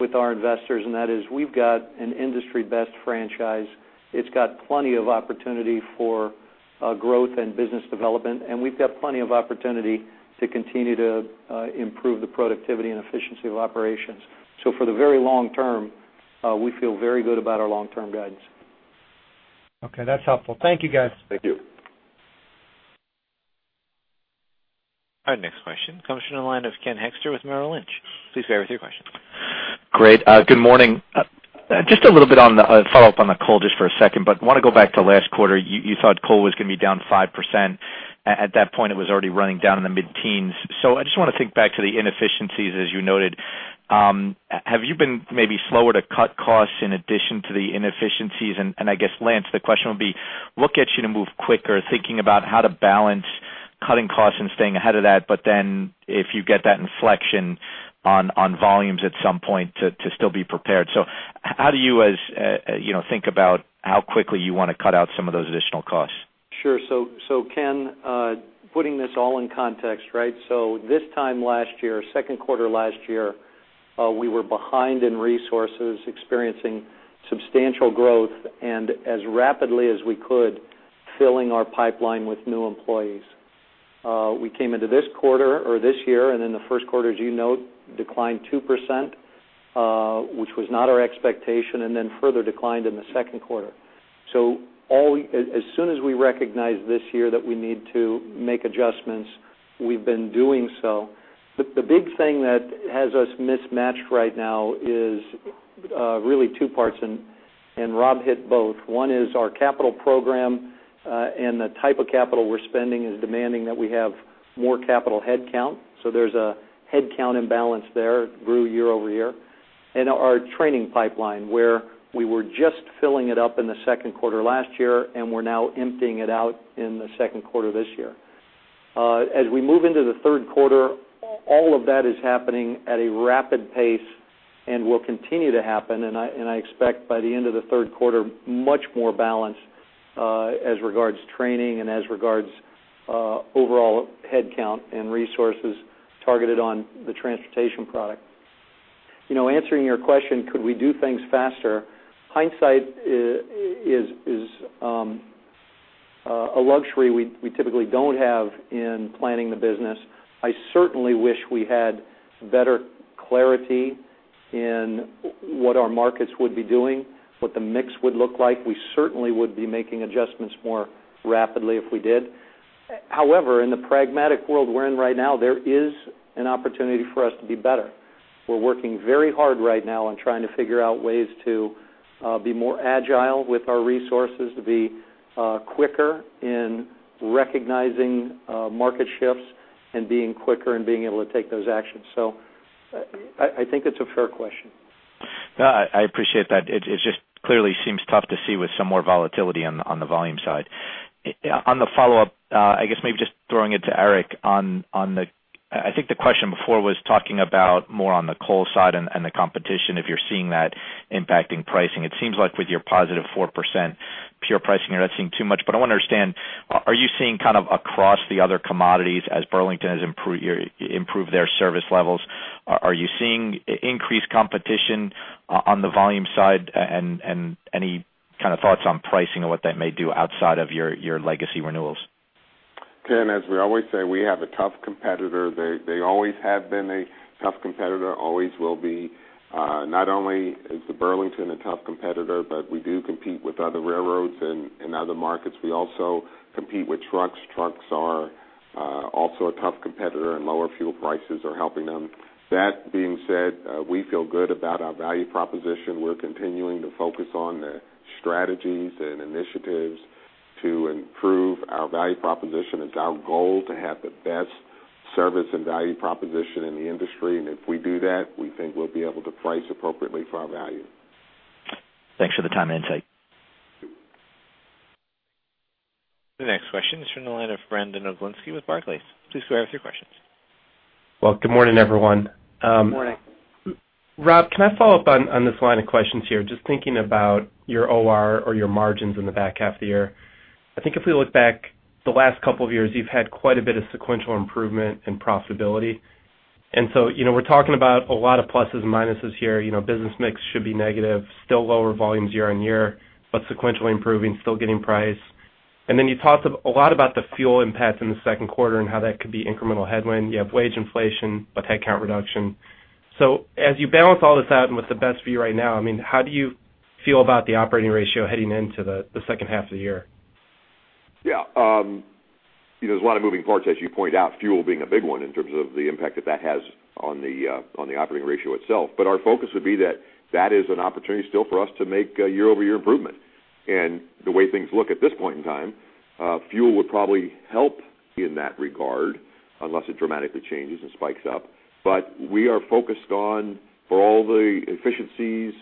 S2: with our investors. That is we've got an industry-best franchise. It's got plenty of opportunity for growth and business development. We've got plenty of opportunity to continue to improve the productivity and efficiency of operations. For the very long term, we feel very good about our long-term guidance.
S8: Okay, that's helpful. Thank you, guys.
S5: Thank you.
S1: Our next question comes from the line of Ken Hoexter with Merrill Lynch. Please go ahead with your questions.
S9: Great. Good morning. Just a little bit on the follow-up on the call just for a second. Want to go back to last quarter. You thought coal was going to be down 5%. At that point, it was already running down in the mid-teens. I just want to think back to the inefficiencies, as you noted. Have you been maybe slower to cut costs in addition to the inefficiencies? I guess, Lance, the question would be, what gets you to move quicker? Thinking about how to balance cutting costs and staying ahead of that. Then if you get that inflection on volumes at some point to still be prepared. How do you think about how quickly you want to cut out some of those additional costs?
S2: Sure. Ken, putting this all in context, right? This time last year, second quarter last year, we were behind in resources, experiencing substantial growth, and as rapidly as we could, filling our pipeline with new employees. We came into this quarter or this year, and in the first quarter, as you note, declined 2%, which was not our expectation, and then further declined in the second quarter. As soon as we recognized this year that we need to make adjustments, we've been doing so. But the big thing that has us mismatched right now is really two parts, and Rob hit both. One is our capital program, and the type of capital we're spending is demanding that we have more capital headcount. There's a headcount imbalance there. It grew year-over-year. Our training pipeline, where we were just filling it up in the second quarter last year, and we're now emptying it out in the second quarter this year. As we move into the third quarter, all of that is happening at a rapid pace and will continue to happen. I expect by the end of the third quarter, much more balance, as regards training and as regards overall headcount and resources targeted on the transportation product. Answering your question, could we do things faster? Hindsight is a luxury we typically don't have in planning the business. I certainly wish we had better clarity in what our markets would be doing, what the mix would look like. We certainly would be making adjustments more rapidly if we did. However, in the pragmatic world we're in right now, there is an opportunity for us to be better. We're working very hard right now on trying to figure out ways to be more agile with our resources, to be quicker in recognizing market shifts and being quicker in being able to take those actions. I think it's a fair question.
S9: No, I appreciate that. It just clearly seems tough to see with some more volatility on the volume side. On the follow-up, I guess maybe just throwing it to Eric. I think the question before was talking about more on the coal side and the competition, if you're seeing that impacting pricing. It seems like with your positive 4% pure pricing, you're not seeing too much. But I want to understand, are you seeing kind of across the other commodities as Burlington has improved their service levels, are you seeing increased competition on the volume side, and any kind of thoughts on pricing and what that may do outside of your legacy renewals?
S3: Ken, as we always say, we have a tough competitor. They always have been a tough competitor, always will be. Not only is the Burlington a tough competitor, but we do compete with other railroads in other markets. We also compete with trucks. Trucks are also a tough competitor, and lower fuel prices are helping them. That being said, we feel good about our value proposition. We're continuing to focus on the strategies and initiatives to improve our value proposition. It's our goal to have the best service and value proposition in the industry. If we do that, we think we'll be able to price appropriately for our value.
S9: Thanks for the time and insight.
S1: The next question is from the line of Brandon Oglenski with Barclays. Please go ahead with your questions.
S10: Well, good morning, everyone.
S2: Good morning.
S10: Rob, can I follow up on this line of questions here? Just thinking about your OR or your margins in the back half of the year. I think if we look back the last couple of years, you've had quite a bit of sequential improvement in profitability. We're talking about a lot of pluses and minuses here. Business mix should be negative, still lower volumes year-on-year, but sequentially improving, still getting price. You talked a lot about the fuel impact in the second quarter and how that could be incremental headwind. You have wage inflation, but headcount reduction. As you balance all this out and what's the best for you right now, how do you feel about the operating ratio heading into the second half of the year?
S5: Yeah. There's a lot of moving parts, as you point out, fuel being a big one in terms of the impact that that has on the operating ratio itself. Our focus would be that that is an opportunity still for us to make a year-over-year improvement. The way things look at this point in time, fuel would probably help in that regard unless it dramatically changes and spikes up. We are focused on all the efficiencies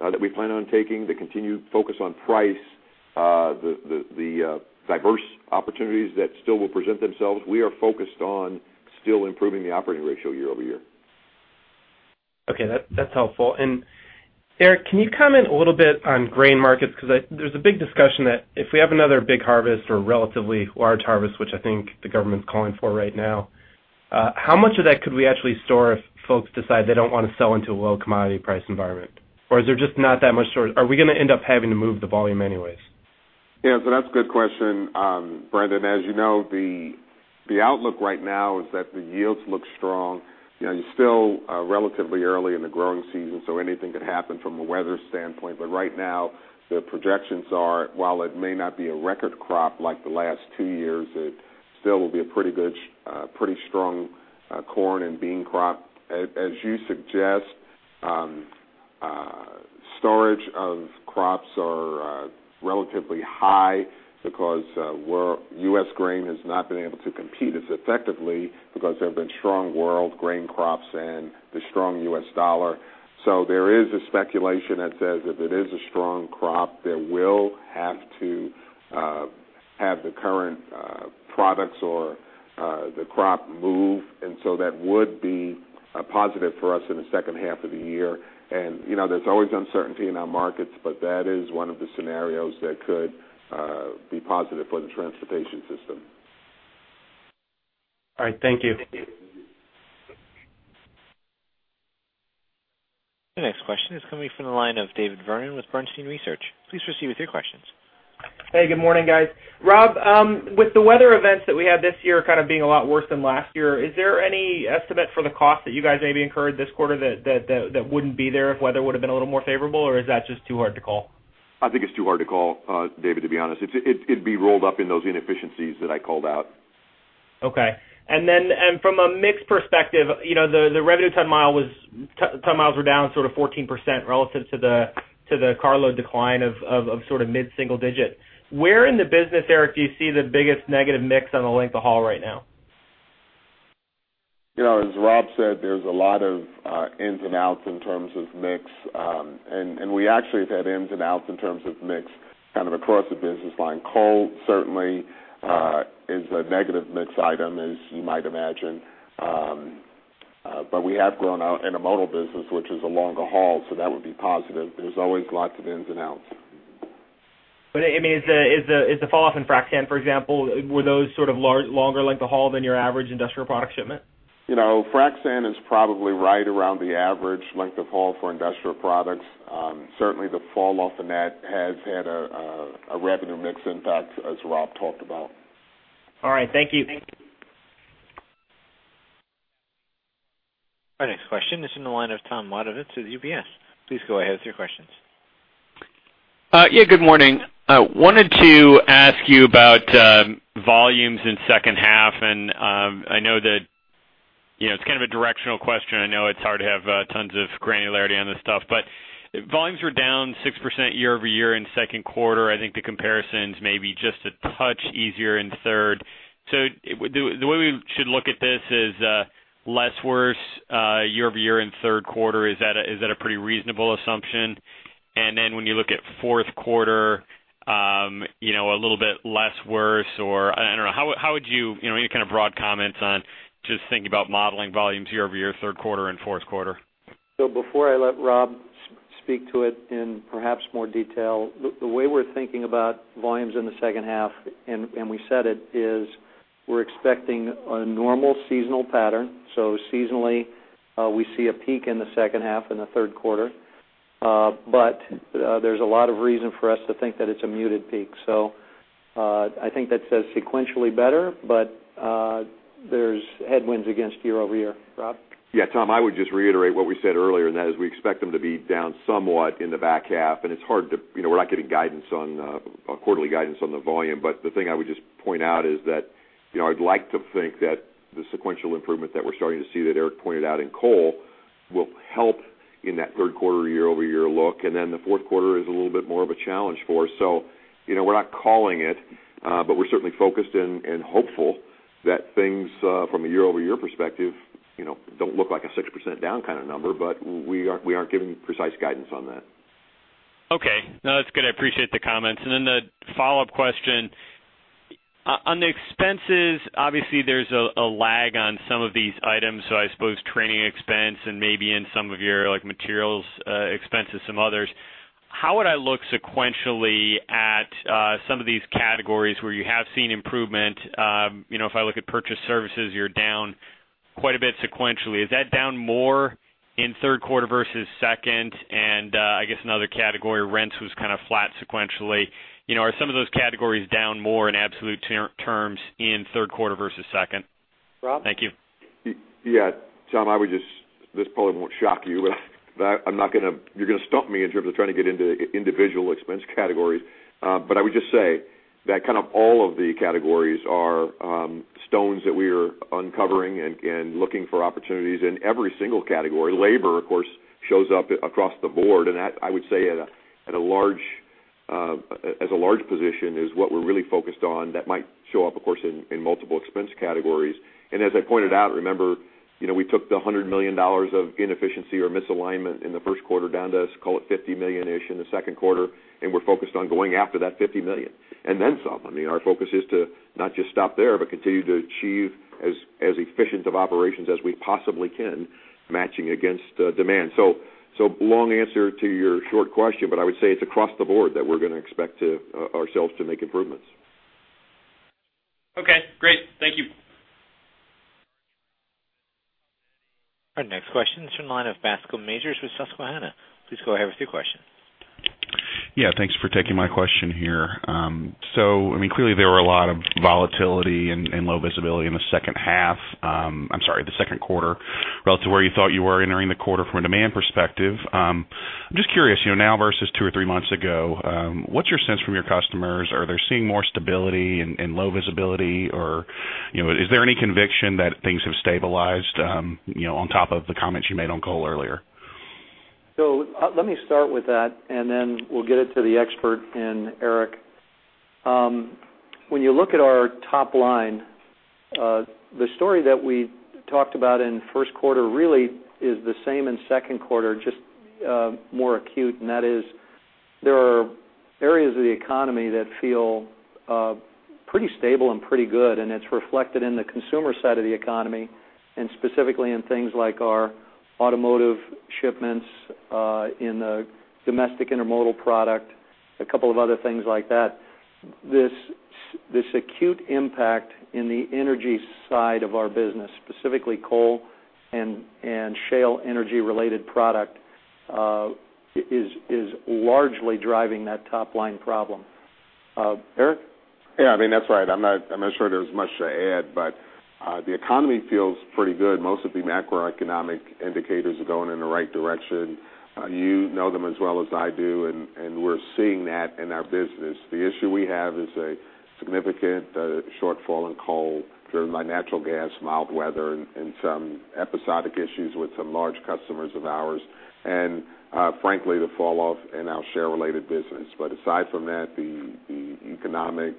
S5: that we plan on taking, the continued focus on price, the diverse opportunities that still will present themselves. We are focused on still improving the operating ratio year-over-year.
S10: Okay. That's helpful. Eric, can you comment a little bit on grain markets? Because there's a big discussion that if we have another big harvest or relatively large harvest, which I think the government's calling for right now, how much of that could we actually store if folks decide they don't want to sell into a low commodity price environment? Is there just not that much storage? Are we going to end up having to move the volume anyways?
S3: Yeah. That's a good question, Brandon. As you know, the outlook right now is that the yields look strong. You're still relatively early in the growing season, anything could happen from a weather standpoint. Right now, the projections are, while it may not be a record crop like the last two years, it still will be a pretty strong corn and bean crop. As you suggest, storage of crops are relatively high because U.S. grain has not been able to compete as effectively because there have been strong world grain crops and the strong U.S. dollar. There is a speculation that says if it is a strong crop, they will have to have the current products or the crop move, and that would be a positive for us in the second half of the year. There's always uncertainty in our markets, that is one of the scenarios that could be positive for the transportation system.
S10: All right. Thank you.
S1: The next question is coming from the line of David Vernon with Bernstein Research. Please proceed with your questions.
S11: Hey, good morning, guys. Rob, with the weather events that we had this year kind of being a lot worse than last year, is there any estimate for the cost that you guys maybe incurred this quarter that wouldn't be there if weather would've been a little more favorable? Or is that just too hard to call?
S5: I think it's too hard to call, David, to be honest. It'd be rolled up in those inefficiencies that I called out.
S11: Okay. From a mix perspective, the revenue ton miles were down sort of 14% relative to the carload decline of sort of mid-single digit. Where in the business, Eric, do you see the biggest negative mix on the length of haul right now?
S3: As Rob said, there's a lot of ins and outs in terms of mix. We actually have had ins and outs in terms of mix kind of across the business line. Coal certainly is a negative mix item, as you might imagine. We have grown our intermodal business, which is a longer haul, so that would be positive. There's always lots of ins and outs.
S11: Is the fall-off in frac sand, for example, were those sort of longer length of haul than your average industrial product shipment?
S3: Frac sand is probably right around the average length of haul for industrial products. Certainly, the fall-off in that has had a revenue mix impact, as Rob talked about.
S11: All right. Thank you.
S1: Our next question is in the line of Tom Wadewitz of UBS. Please go ahead with your questions.
S12: Good morning. Wanted to ask you about volumes in second half. I know that it's kind of a directional question. I know it's hard to have tons of granularity on this stuff. Volumes were down 6% year-over-year in second quarter. I think the comparison's maybe just a touch easier in third. The way we should look at this is less worse year-over-year in third quarter. Is that a pretty reasonable assumption? When you look at fourth quarter, a little bit less worse or I don't know. Any kind of broad comments on just thinking about modeling volumes year-over-year, third quarter and fourth quarter?
S2: Before I let Rob speak to it in perhaps more detail, the way we're thinking about volumes in the second half, and we said it, is we're expecting a normal seasonal pattern. Seasonally, we see a peak in the second half and the third quarter. There's a lot of reason for us to think that it's a muted peak. I think that says sequentially better, but there's headwinds against year-over-year. Rob?
S5: Yeah, Tom, I would just reiterate what we said earlier, and that is we expect them to be down somewhat in the back half, and we're not giving quarterly guidance on the volume. The thing I would just point out is that I'd like to think that the sequential improvement that we're starting to see, that Eric pointed out in coal, will help in that third quarter year-over-year look, and the fourth quarter is a little bit more of a challenge for us. We're not calling it, but we're certainly focused and hopeful that things, from a year-over-year perspective, don't look like a 6% down kind of number, but we aren't giving precise guidance on that.
S12: Okay. No, that's good. I appreciate the comments. The follow-up question. On the expenses, obviously there's a lag on some of these items, so I suppose training expense and maybe in some of your materials expenses, some others. How would I look sequentially at some of these categories where you have seen improvement? If I look at purchase services, you're down quite a bit sequentially. Is that down more in third quarter versus second? I guess another category, rents, was kind of flat sequentially. Are some of those categories down more in absolute terms in third quarter versus second?
S5: Rob? Thank you. Yeah. Tom, this probably won't shock you're going to stump me in terms of trying to get into individual expense categories. I would just say that kind of all of the categories are stones that we are uncovering and looking for opportunities in every single category. Labor, of course, shows up across the board, and that, I would say as a large position, is what we're really focused on. That might show up, of course, in multiple expense categories. As I pointed out, remember, we took the $100 million of inefficiency or misalignment in the first quarter down to, let's call it, 50 million-ish in the second quarter, and we're focused on going after that 50 million, and then some. Our focus is to not just stop there, but continue to achieve as efficient of operations as we possibly can, matching against demand. Long answer to your short question, I would say it's across the board that we're going to expect ourselves to make improvements.
S12: Okay, great. Thank you.
S1: Our next question is from the line of Bascome Majors with Susquehanna. Please go ahead with your question.
S13: Thanks for taking my question here. Clearly, there were a lot of volatility and low visibility in the second quarter relative to where you thought you were entering the quarter from a demand perspective. I'm just curious, now versus two or three months ago, what's your sense from your customers? Are they seeing more stability and low visibility, or is there any conviction that things have stabilized on top of the comments you made on coal earlier?
S2: Let me start with that, and then we'll get it to the expert and Eric. When you look at our top line, the story that we talked about in first quarter really is the same in second quarter, just more acute, and that is there are areas of the economy that feel pretty stable and pretty good, and it's reflected in the consumer side of the economy, and specifically in things like our automotive shipments, in the domestic intermodal product, a couple of other things like that. This acute impact in the energy side of our business, specifically coal and shale energy related product, is largely driving that top-line problem. Eric?
S3: Yeah, that's right. I'm not sure there's much to add, the economy feels pretty good. Most of the macroeconomic indicators are going in the right direction. You know them as well as I do, and we're seeing that in our business. The issue we have is a significant shortfall in coal driven by natural gas, mild weather, and some episodic issues with some large customers of ours, frankly, the falloff in our shale related business. Aside from that, the economic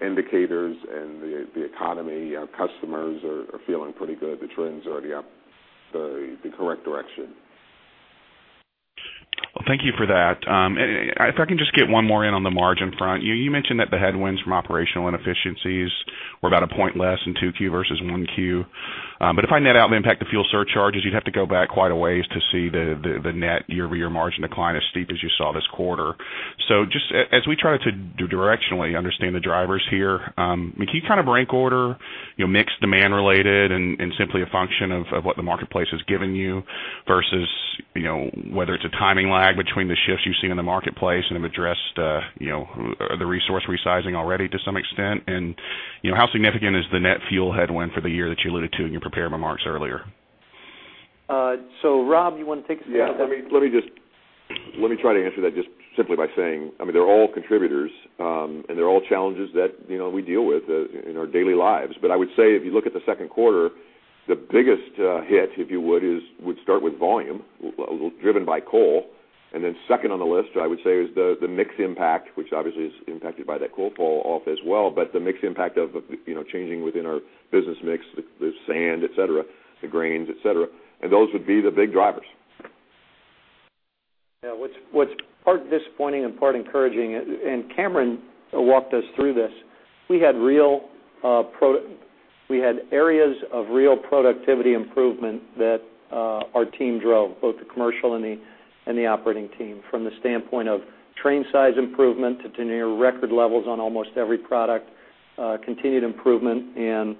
S3: indicators and the economy, our customers are feeling pretty good. The trends are the correct direction.
S13: Well, thank you for that. If I can just get one more in on the margin front. You mentioned that the headwinds from operational inefficiencies were about a one point less in 2Q versus 1Q. If I net out the impact of fuel surcharges, you'd have to go back quite a ways to see the net year-over-year margin decline as steep as you saw this quarter. Just as we try to directionally understand the drivers here, can you kind of rank order, mix demand related and simply a function of what the marketplace has given you versus whether it's a timing lag between the shifts you've seen in the marketplace and have addressed the resource resizing already to some extent? How significant is the net fuel headwind for the year that you alluded to in your prepared remarks earlier?
S2: Rob, you want to take a stab at that?
S3: Let me try to answer that just simply by saying, they're all contributors, and they're all challenges that we deal with in our daily lives. I would say if you look at the second quarter, the biggest hit, if you would, is would start with volume, driven by coal. Then second on the list, I would say, is the mix impact, which obviously is impacted by that coal fall off as well, but the mix impact of changing within our business mix, the sand, et cetera, the grains, et cetera, and those would be the big drivers.
S2: What's part disappointing and part encouraging, and Cameron walked us through this, we had areas of real productivity improvement that our team drove, both the commercial and the operating team, from the standpoint of train size improvement to near record levels on almost every product, continued improvement in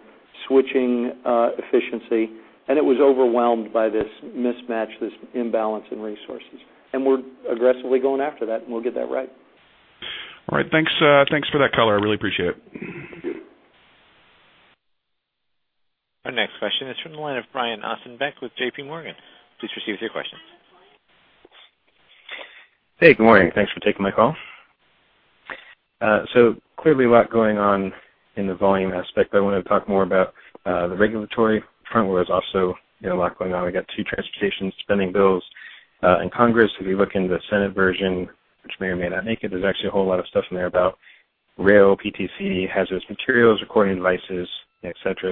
S2: switching efficiency, and it was overwhelmed by this mismatch, this imbalance in resources. We're aggressively going after that, and we'll get that right.
S13: All right. Thanks for that color. I really appreciate it.
S1: Our next question is from the line of Brian Ossenbeck with J.P. Morgan. Please proceed with your question.
S14: Hey, good morning. Thanks for taking my call. Clearly a lot going on in the volume aspect, but I wanted to talk more about the regulatory front, where there's also a lot going on. We got two transportation spending bills in Congress. If you look in the Senate version, which may or may not make it, there's actually a whole lot of stuff in there about rail, PTC, hazardous materials, recording devices, et cetera.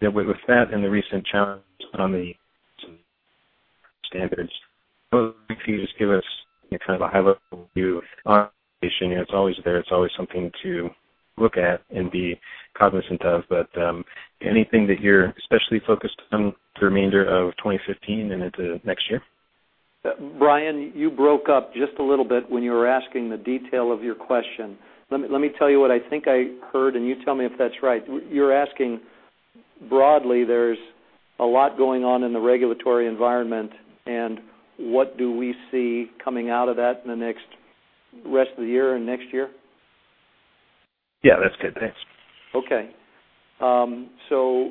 S14: With that and the recent challenge on the standards, I would like for you to just give us kind of a high-level view of it's always there, it's always something to look at and be cognizant of, but anything that you're especially focused on the remainder of 2015 and into next year?
S2: Brian, you broke up just a little bit when you were asking the detail of your question. Let me tell you what I think I heard and you tell me if that's right. You're asking, broadly, there's a lot going on in the regulatory environment and what do we see coming out of that in the next rest of the year and next year?
S14: Yeah, that's good. Thanks.
S2: Our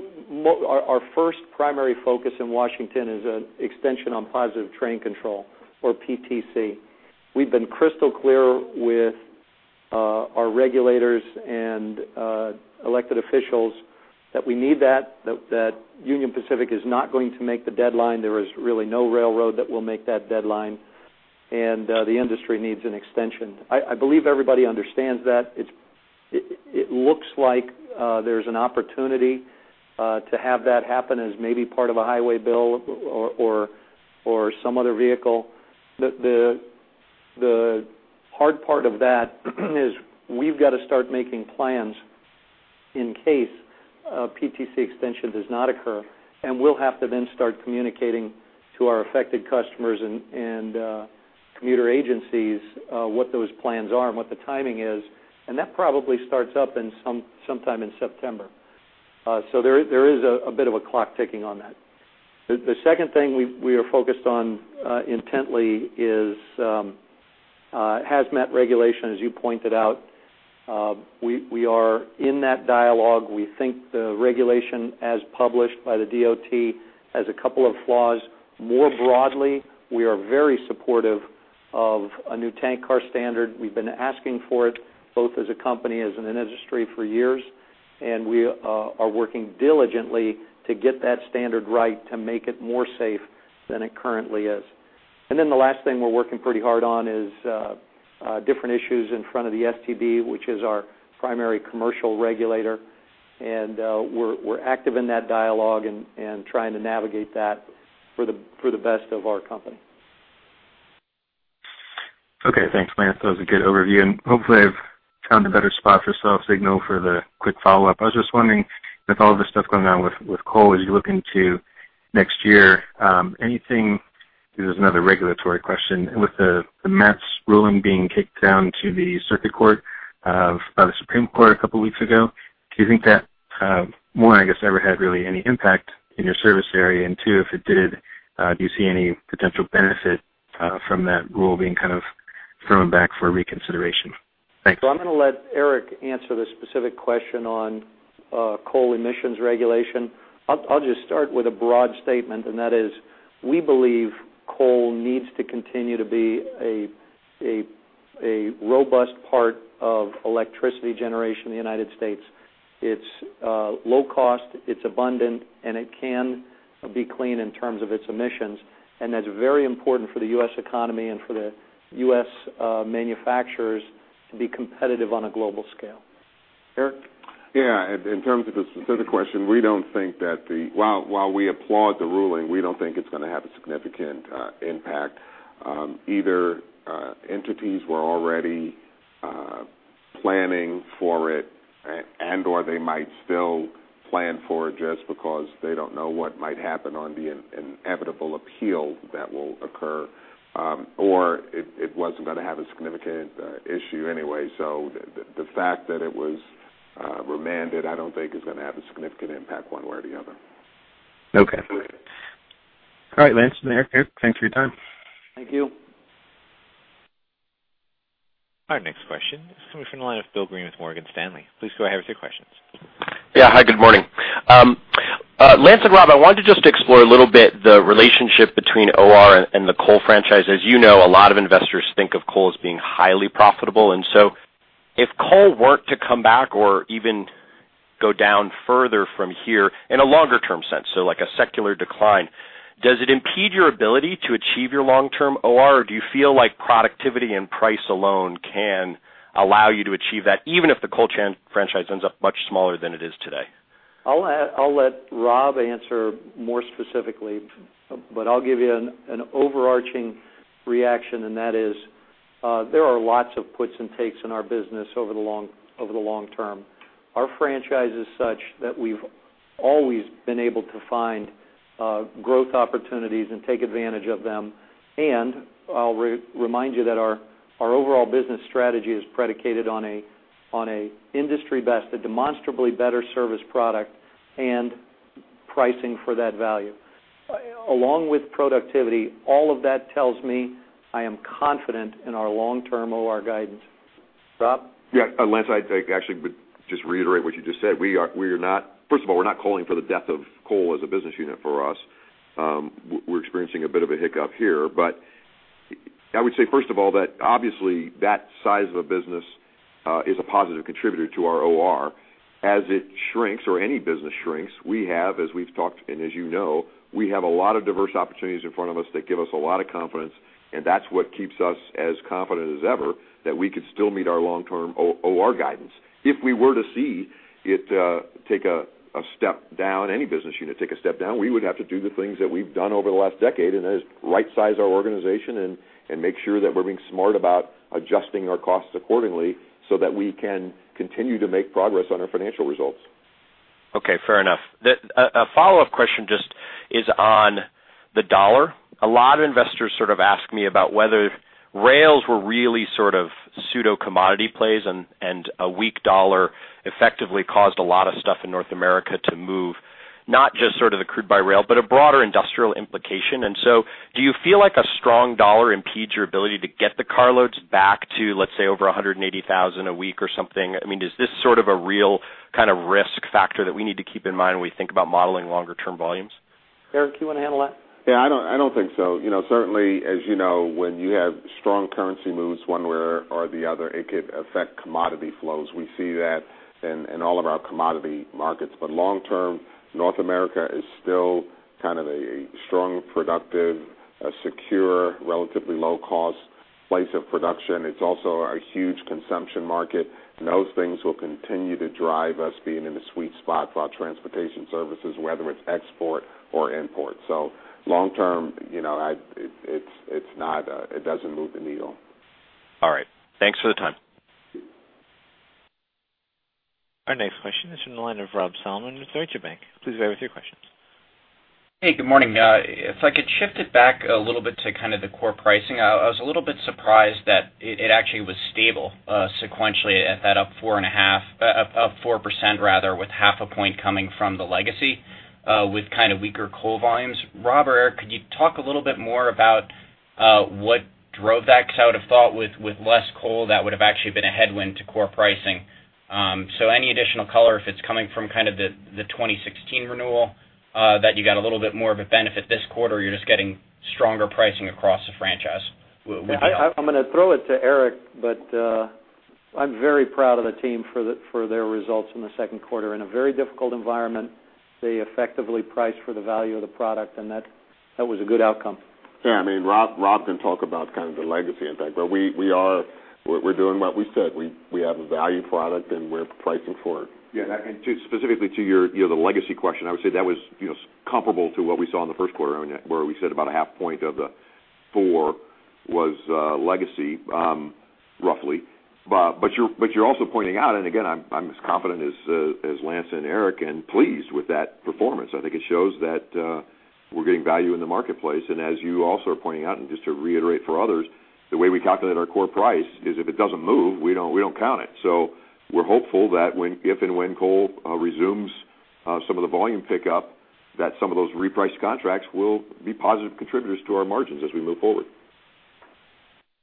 S2: first primary focus in Washington is an extension on positive train control or PTC. We've been crystal clear with our regulators and elected officials that we need that Union Pacific is not going to make the deadline. There is really no railroad that will make that deadline, and the industry needs an extension. I believe everybody understands that. It looks like there's an opportunity to have that happen as maybe part of a highway bill or some other vehicle. The hard part of that is we've got to start making plans in case a PTC extension does not occur. We'll have to then start communicating to our affected customers and commuter agencies what those plans are and what the timing is, and that probably starts up in sometime in September. There is a bit of a clock ticking on that. The second thing we are focused on intently is hazmat regulation, as you pointed out. We are in that dialogue. We think the regulation, as published by the DOT, has a couple of flaws. More broadly, we are very supportive of a new tank car standard. We've been asking for it, both as a company, as an industry for years. We are working diligently to get that standard right to make it more safe than it currently is. The last thing we're working pretty hard on is different issues in front of the STB, which is our primary commercial regulator. We're active in that dialogue and trying to navigate that for the best of our company.
S14: Okay. Thanks, Lance. That was a good overview. Hopefully, I've found a better spot for cell signal for the quick follow-up. Here's another regulatory question. With the MATS ruling being kicked down to the circuit court by the Supreme Court a couple of weeks ago, do you think that, one, I guess, ever had really any impact in your service area? Two, if it did, do you see any potential benefit from that rule being kind of thrown back for reconsideration? Thanks.
S2: I'm going to let Eric answer the specific question on coal emissions regulation. I'll just start with a broad statement, and that is, we believe coal needs to continue to be a robust part of electricity generation in the U.S. It's low cost, it's abundant, and it can be clean in terms of its emissions, and that's very important for the U.S. economy and for the U.S. manufacturers to be competitive on a global scale. Rob?
S3: Yeah. In terms of the specific question, while we applaud the ruling, we don't think it's going to have a significant impact. Either entities were already planning for it, and/or they might still plan for it just because they don't know what might happen on the inevitable appeal that will occur, or it wasn't going to have a significant issue anyway. The fact that it was remanded, I don't think is going to have a significant impact one way or the other.
S14: Okay. All right, Lance and Eric, thanks for your time.
S2: Thank you.
S1: Our next question is coming from the line of Bill Greene with Morgan Stanley. Please go ahead with your questions.
S15: Yeah. Hi, good morning. Lance and Rob, I wanted to just explore a little bit the relationship between OR and the coal franchise. As you know, a lot of investors think of coal as being highly profitable, and so if coal were to come back or even go down further from here in a longer-term sense, so like a secular decline, does it impede your ability to achieve your long-term OR, or do you feel like productivity and price alone can allow you to achieve that, even if the coal franchise ends up much smaller than it is today?
S2: I'll let Rob answer more specifically, but I'll give you an overarching reaction, and that is, there are lots of puts and takes in our business over the long term. Our franchise is such that we've always been able to find growth opportunities and take advantage of them. I'll remind you that our overall business strategy is predicated on a industry best, a demonstrably better service product and pricing for that value. Along with productivity, all of that tells me I am confident in our long-term OR guidance. Rob?
S3: Yeah. Lance, I actually would just reiterate what you just said. First of all, we're not calling for the death of coal as a business unit for us. We're experiencing a bit of a hiccup here, but I would say, first of all, that obviously that size of a business is a positive contributor to our OR. As it shrinks or any business shrinks, we have, as we've talked and as you know, we have a lot of diverse opportunities in front of us that give us a lot of confidence, and that's what keeps us as confident as ever that we could still meet our long-term OR guidance. If we were to see it take a step down, any business unit take a step down, we would have to do the things that we've done over the last decade, and that is right-size our organization and make sure that we're being smart about adjusting our costs accordingly so that we can continue to make progress on our financial results.
S15: Okay, fair enough. A follow-up question just is on the dollar. A lot of investors sort of ask me about whether rails were really sort of pseudo commodity plays and a weak dollar effectively caused a lot of stuff in North America to move, not just sort of the crude by rail, but a broader industrial implication. Do you feel like a strong dollar impedes your ability to get the car loads back to, let's say, over 180,000 a week or something? I mean, is this sort of a real kind of risk factor that we need to keep in mind when we think about modeling longer term volumes?
S2: Eric, you want to handle that?
S3: Yeah, I don't think so. Certainly, as you know, when you have strong currency moves one way or the other, it could affect commodity flows. We see that in all of our commodity markets. Long term, North America is still kind of a strong, productive, secure, relatively low cost place of production. It's also a huge consumption market, those things will continue to drive us being in a sweet spot for our transportation services, whether it's export or import. Long term, it doesn't move the needle.
S15: All right. Thanks for the time.
S1: Our next question is from the line of Rob Salmon with Deutsche Bank. Please go ahead with your question.
S16: Hey, good morning. If I could shift it back a little bit to kind of the core pricing, I was a little bit surprised that it actually was stable sequentially at that up 4%, with half a point coming from the legacy, with kind of weaker coal volumes. Rob or Eric, could you talk a little bit more about what drove that? Because I would have thought with less coal, that would have actually been a headwind to core pricing. Any additional color, if it's coming from kind of the 2016 renewal, that you got a little bit more of a benefit this quarter, or you're just getting stronger pricing across the franchise?
S5: I'm going to throw it to Eric. I'm very proud of the team for their results in the second quarter. In a very difficult environment, they effectively priced for the value of the product, and that was a good outcome.
S3: Yeah, Rob can talk about kind of the legacy impact. We're doing what we said. We have a value product, and we're pricing for it.
S5: Yeah, specifically to the legacy question, I would say that was comparable to what we saw in the first quarter, where we said about a half point of the four was legacy, roughly. You're also pointing out, and again, I'm as confident as Lance and Eric, and pleased with that performance. I think it shows that we're getting value in the marketplace, and as you also are pointing out, and just to reiterate for others, the way we calculate our core price is if it doesn't move, we don't count it. We're hopeful that if and when coal resumes some of the volume pickup, that some of those repriced contracts will be positive contributors to our margins as we move forward.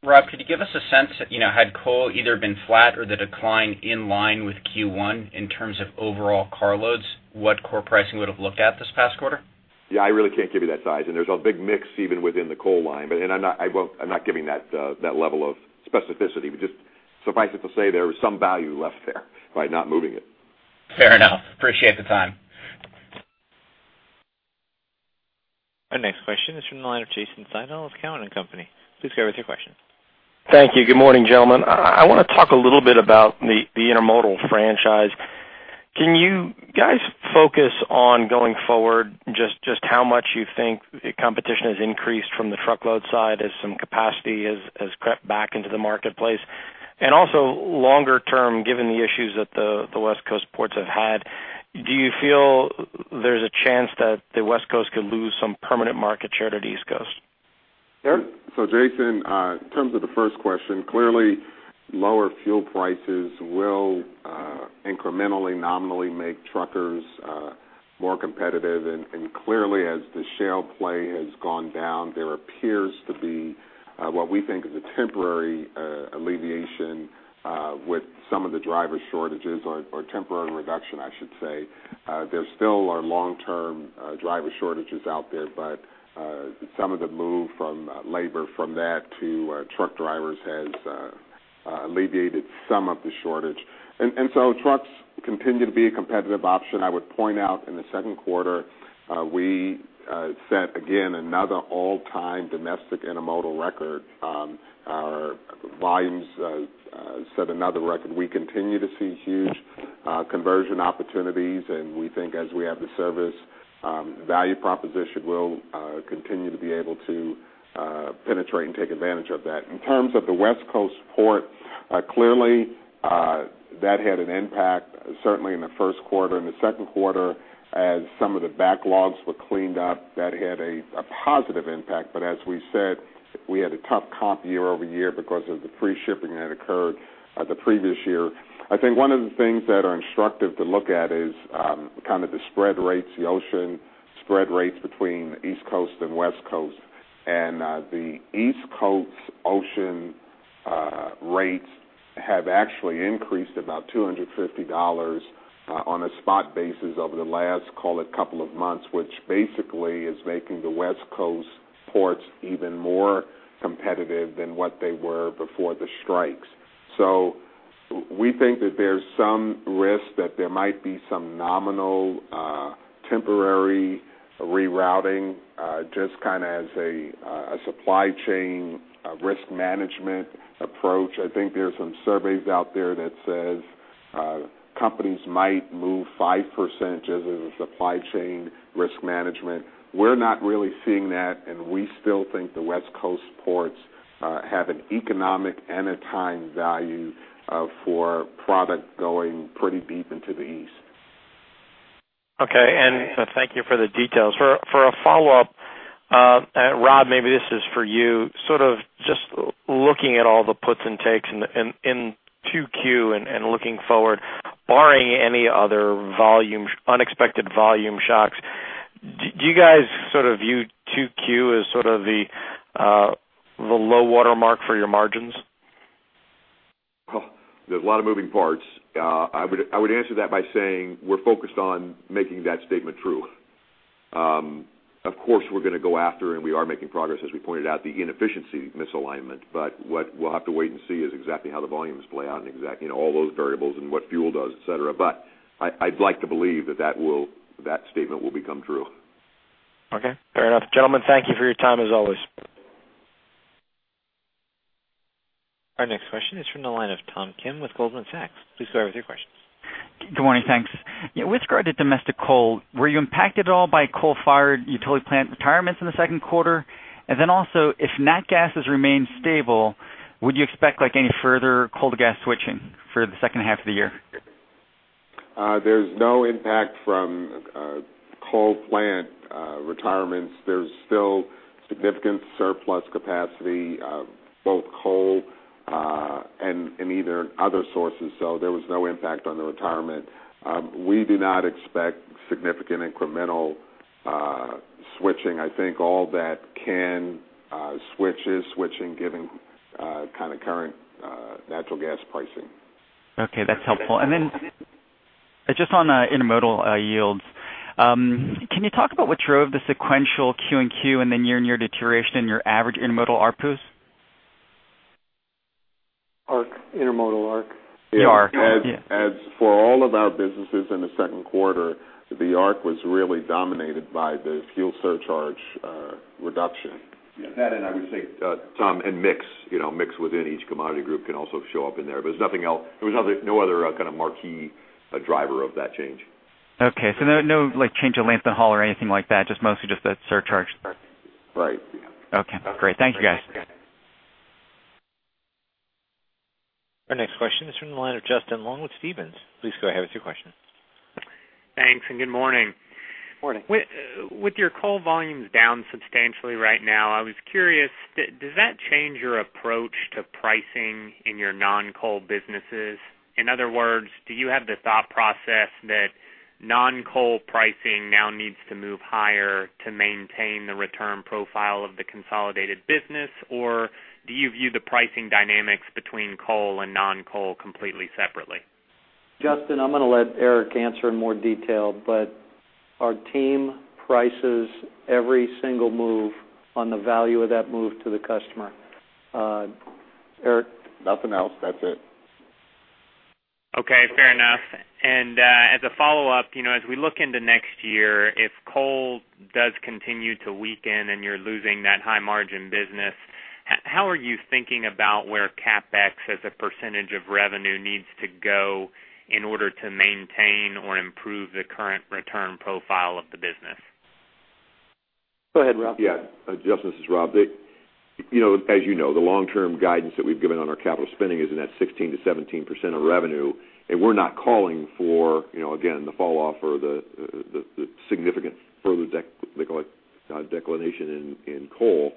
S16: Rob, could you give us a sense, had coal either been flat or the decline in line with Q1 in terms of overall car loads, what core pricing would have looked at this past quarter?
S5: Yeah, I really can't give you that size, and there's a big mix even within the coal line. I'm not giving that level of specificity. Just suffice it to say, there was some value left there by not moving it.
S16: Fair enough. Appreciate the time.
S1: Our next question is from the line of Jason Seidl of Cowen and Company. Please go with your question.
S17: Thank you. Good morning, gentlemen. I want to talk a little bit about the intermodal franchise. Can you guys focus on, going forward, just how much you think competition has increased from the truckload side as some capacity has crept back into the marketplace? Also, longer term, given the issues that the West Coast ports have had, do you feel there's a chance that the West Coast could lose some permanent market share to the East Coast?
S3: Jason, in terms of the first question, clearly, lower fuel prices will incrementally, nominally make truckers more competitive. Clearly, as the shale play has gone down, there appears to be what we think is a temporary alleviation with some of the driver shortages, or temporary reduction, I should say. There still are long-term driver shortages out there, but some of the move from labor from that to truck drivers has alleviated some of the shortage. Trucks continue to be a competitive option. I would point out, in the second quarter, we set, again, another all-time domestic intermodal record. Our volumes set another record. We continue to see huge conversion opportunities, and we think as we have the service value proposition, we'll continue to be able to penetrate and take advantage of that. In terms of the West Coast port, clearly, that had an impact, certainly in the first quarter. In the second quarter, as some of the backlogs were cleaned up, that had a positive impact. As we said, we had a tough comp year-over-year because of the free shipping that occurred the previous year. I think one of the things that are instructive to look at is kind of the spread rates, the ocean spread rates between the East Coast and West Coast. The East Coast ocean rates have actually increased about $250 on a spot basis over the last, call it, couple of months, which basically is making the West Coast ports even more competitive than what they were before the strikes. We think that there's some risk that there might be some nominal temporary rerouting, just kind of as a supply chain risk management approach. I think there's some surveys out there that says companies might move 5% just as a supply chain risk management. We're not really seeing that, and we still think the West Coast ports have an economic and a time value for product going pretty deep into the east.
S17: Okay, thank you for the details. For a follow-up, Rob, maybe this is for you, sort of just looking at all the puts and takes in 2Q and looking forward, barring any other unexpected volume shocks, do you guys sort of view 2Q as sort of the low water mark for your margins?
S5: There are a lot of moving parts. I would answer that by saying we're focused on making that statement true. Of course, we're going to go after, and we are making progress, as we pointed out, the inefficiency misalignment. What we'll have to wait and see is exactly how the volumes play out and all those variables and what fuel does, et cetera. I'd like to believe that statement will become true.
S17: Okay. Fair enough. Gentlemen, thank you for your time, as always.
S1: Our next question is from the line of Tom Kim with Goldman Sachs. Please go with your questions.
S18: Good morning. Thanks. With regard to domestic coal, were you impacted at all by coal-fired utility plant retirements in the second quarter? Then also, if nat gas has remained stable, would you expect any further coal to gas switching for the second half of the year?
S3: There's no impact from coal plant retirements. There's still significant surplus capacity, both coal and in other sources. There was no impact on the retirement. We do not expect significant incremental switching. I think all that can switch is switching, given current natural gas pricing.
S18: Okay, that's helpful. Just on intermodal yields, can you talk about what drove the sequential quarter-over-quarter and then year-over-year deterioration in your average intermodal ARPU?
S2: Intermodal ARC?
S18: The ARC, yeah.
S3: As for all of our businesses in the second quarter, the ARC was really dominated by the fuel surcharge reduction.
S5: That I would say, Tom, and mix within each commodity group can also show up in there, but there was no other kind of marquee driver of that change.
S18: Okay, no change of length of haul or anything like that, just mostly just the surcharge.
S3: Right.
S18: Okay, great. Thank you, guys.
S1: Our next question is from the line of Justin Long with Stephens. Please go ahead with your question.
S19: Thanks, and good morning.
S2: Morning.
S19: With your coal volumes down substantially right now, I was curious, does that change your approach to pricing in your non-coal businesses? In other words, do you have the thought process that non-coal pricing now needs to move higher to maintain the return profile of the consolidated business, or do you view the pricing dynamics between coal and non-coal completely separately?
S2: Justin, I'm going to let Eric answer in more detail. Our team prices every single move on the value of that move to the customer. Eric?
S3: Nothing else. That's it.
S19: Okay, fair enough. As a follow-up, as we look into next year, if coal does continue to weaken and you're losing that high margin business, how are you thinking about where CapEx as a % of revenue needs to go in order to maintain or improve the current return profile of the business?
S5: Go ahead, Rob.
S3: Yeah. Justin, this is Rob. As you know, the long-term guidance that we've given on our capital spending is in that 16%-17% of revenue, we're not calling for, again, the fall off or the significant further declination in coal.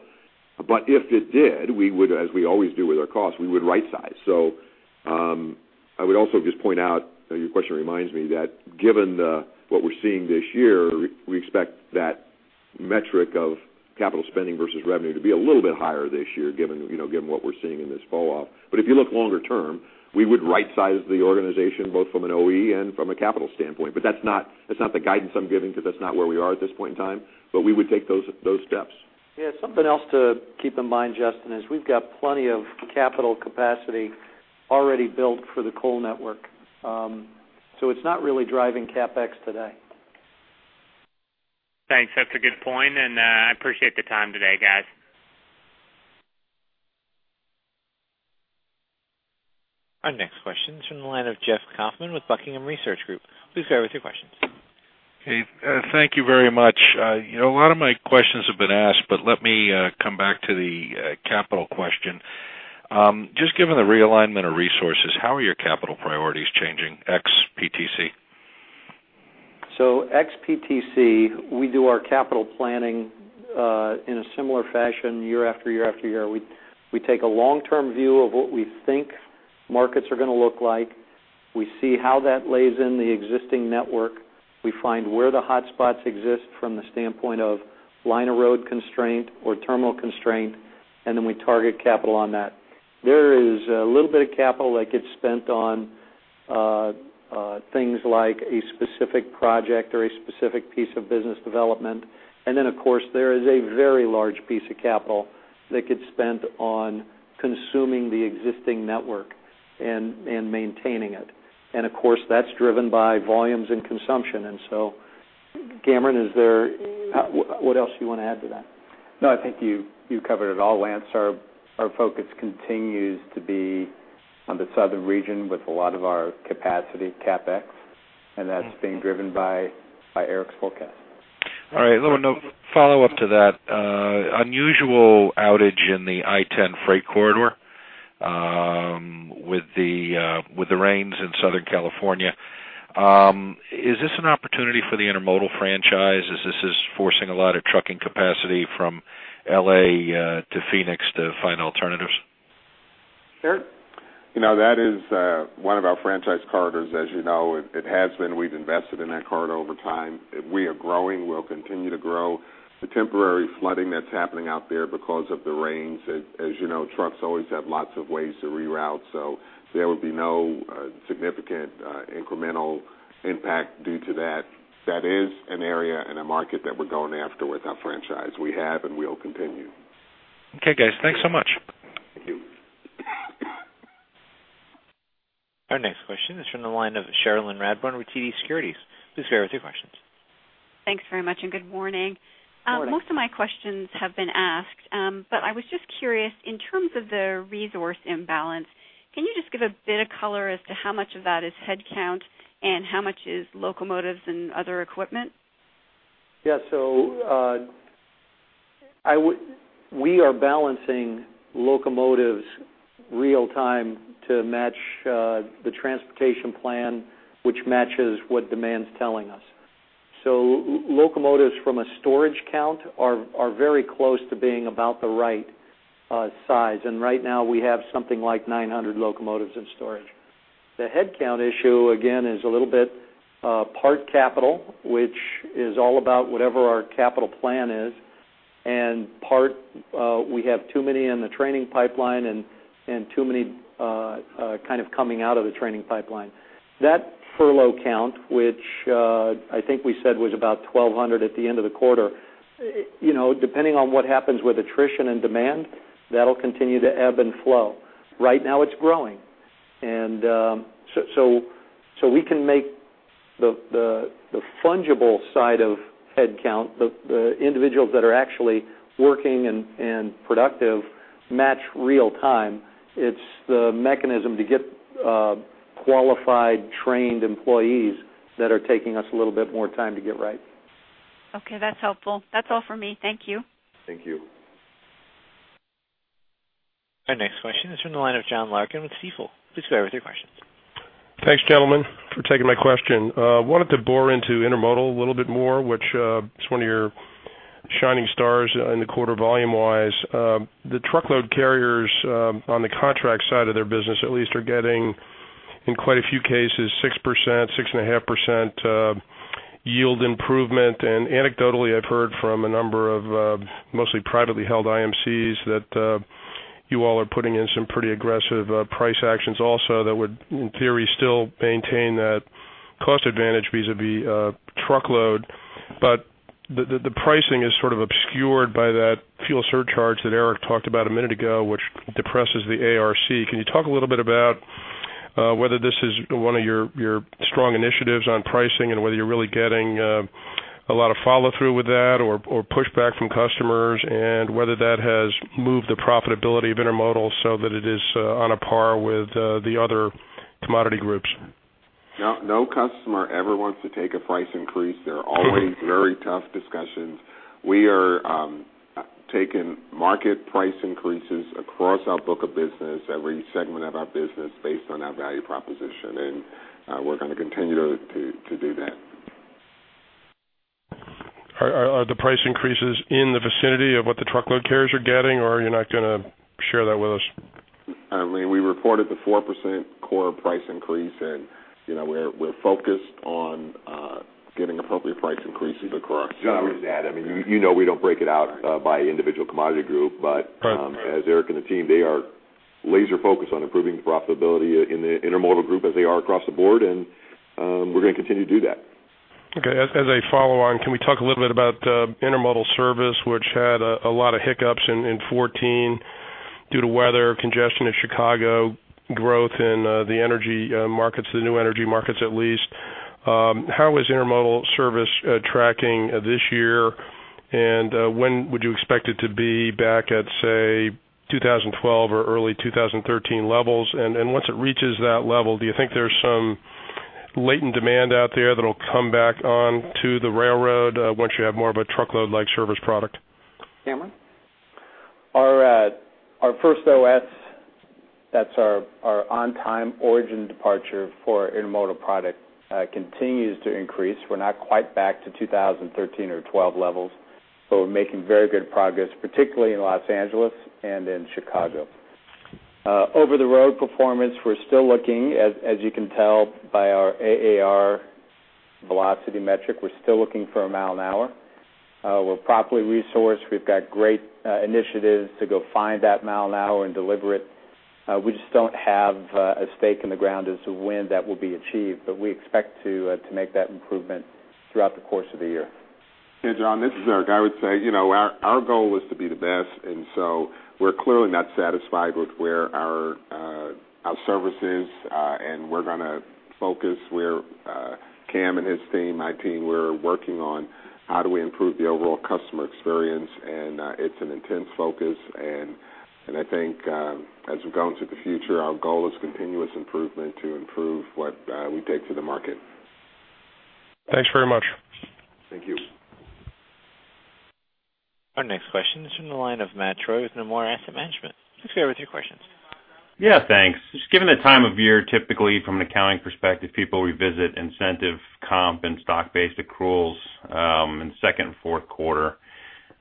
S3: If it did, we would, as we always do with our costs, we would rightsize. I would also just point out, your question reminds me that given what we're seeing this year, we expect that metric of capital spending versus revenue to be a little bit higher this year, given what we're seeing in this fall off. If you look longer term, we would rightsize the organization both from an OE and from a capital standpoint. That's not the guidance I'm giving because that's not where we are at this point in time, but we would take those steps.
S2: Yeah. Something else to keep in mind, Justin, is we've got plenty of capital capacity already built for the coal network. It's not really driving CapEx today.
S19: Thanks. That's a good point. I appreciate the time today, guys.
S1: Our next question's from the line of Jeff Kaufman with Buckingham Research Group. Please go ahead with your questions.
S20: Okay. Thank you very much. A lot of my questions have been asked. Let me come back to the capital question. Just given the realignment of resources, how are your capital priorities changing ex PTC?
S2: Ex PTC, we do our capital planning in a similar fashion year after year after year. We take a long-term view of what we think markets are going to look like. We see how that lays in the existing network. We find where the hotspots exist from the standpoint of line of road constraint or terminal constraint. We target capital on that. There is a little bit of capital that gets spent on things like a specific project or a specific piece of business development. Then, of course, there is a very large piece of capital that gets spent on consuming the existing network and maintaining it. Of course, that's driven by volumes and consumption. Cameron, what else do you want to add to that?
S5: No, I think you covered it all, Lance. Our focus continues to be on the southern region with a lot of our capacity CapEx, that's being driven by Eric's forecast.
S20: All right. A little follow-up to that. Unusual outage in the I-10 freight corridor with the rains in Southern California. Is this an opportunity for the intermodal franchise as this is forcing a lot of trucking capacity from L.A. to Phoenix to find alternatives?
S2: Eric?
S3: That is one of our franchise corridors, as you know. It has been. We've invested in that corridor over time. We are growing. We'll continue to grow. The temporary flooding that's happening out there because of the rains, as you know, trucks always have lots of ways to reroute, there would be no significant incremental impact due to that. That is an area and a market that we're going after with our franchise. We have and will continue.
S20: Okay, guys. Thanks so much.
S3: Thank you. Our next question is from the line of Cherilyn Radbourne with TD Securities. Please go ahead with your questions.
S21: Thanks very much. Good morning.
S2: Morning.
S21: Most of my questions have been asked. I was just curious, in terms of the resource imbalance, can you just give a bit of color as to how much of that is headcount and how much is locomotives and other equipment?
S2: Yeah.
S4: We are balancing locomotives real time to match the transportation plan, which matches what demand's telling us. Locomotives from a storage count are very close to being about the right size. Right now, we have something like 900 locomotives in storage. The headcount issue, again, is a little bit part capital, which is all about whatever our capital plan is, and part we have too many in the training pipeline and too many coming out of the training pipeline. That furlough count, which I think we said was about 1,200 at the end of the quarter, depending on what happens with attrition and demand, that'll continue to ebb and flow. Right now it's growing. We can make the fungible side of headcount, the individuals that are actually working and productive match real time. It's the mechanism to get qualified, trained employees that are taking us a little bit more time to get right.
S21: Okay, that's helpful. That's all for me. Thank you.
S4: Thank you.
S1: Our next question is from the line of John Larkin with Stifel. Please go ahead with your questions.
S22: Thanks, gentlemen, for taking my question. I wanted to bore into intermodal a little bit more, which is one of your shining stars in the quarter volume wise. The truckload carriers, on the contract side of their business at least, are getting in quite a few cases, 6%-6.5% yield improvement. Anecdotally, I've heard from a number of mostly privately held IMCs that you all are putting in some pretty aggressive price actions also that would, in theory, still maintain that cost advantage vis-a-vis truckload. The pricing is sort of obscured by that fuel surcharge that Eric talked about a minute ago, which depresses the ARC. Can you talk a little bit about whether this is one of your strong initiatives on pricing, and whether you're really getting a lot of follow-through with that or pushback from customers, and whether that has moved the profitability of intermodal so that it is on a par with the other commodity groups?
S3: No customer ever wants to take a price increase. They're always very tough discussions. We are taking market price increases across our book of business, every segment of our business based on our value proposition, and we're going to continue to do that.
S22: Are the price increases in the vicinity of what the truckload carriers are getting, or are you not going to share that with us?
S3: I mean, we reported the 4% core price increase, and we're focused on getting appropriate price increases across.
S5: I would add, you know we don't break it out by individual commodity group.
S22: Right
S5: as Erik and the team, they are laser focused on improving the profitability in the intermodal group as they are across the board, and we're going to continue to do that.
S22: Okay. As a follow-on, can we talk a little bit about intermodal service, which had a lot of hiccups in 2014 due to weather, congestion in Chicago, growth in the energy markets, the new energy markets at least. How is intermodal service tracking this year, and when would you expect it to be back at, say, 2012 or early 2013 levels? Once it reaches that level, do you think there's some latent demand out there that'll come back on to the railroad once you have more of a truckload-like service product?
S3: Cameron?
S4: Our first OS, that's our on-time origin departure for intermodal product, continues to increase. We're not quite back to 2013 or 2012 levels, but we're making very good progress, particularly in Los Angeles and in Chicago. Over the road performance, we're still looking, as you can tell by our AAR velocity metric, we're still looking for a mile an hour. We're properly resourced. We've got great initiatives to go find that mile an hour and deliver it. We just don't have a stake in the ground as to when that will be achieved, but we expect to make that improvement throughout the course of the year.
S3: Hey, John, this is Erik. I would say our goal is to be the best, so we're clearly not satisfied with where our service is. We're going to focus where Cam and his team, my team, we're working on how do we improve the overall customer experience, and it's an intense focus. I think as we go into the future, our goal is continuous improvement to improve what we take to the market.
S22: Thanks very much.
S3: Thank you.
S1: Our next question is from the line of Matthew Troy with Nomura Asset Management. Please go ahead with your questions.
S23: Yeah, thanks. Just given the time of year, typically from an accounting perspective, people revisit incentive comp and stock-based accruals in second and fourth quarter.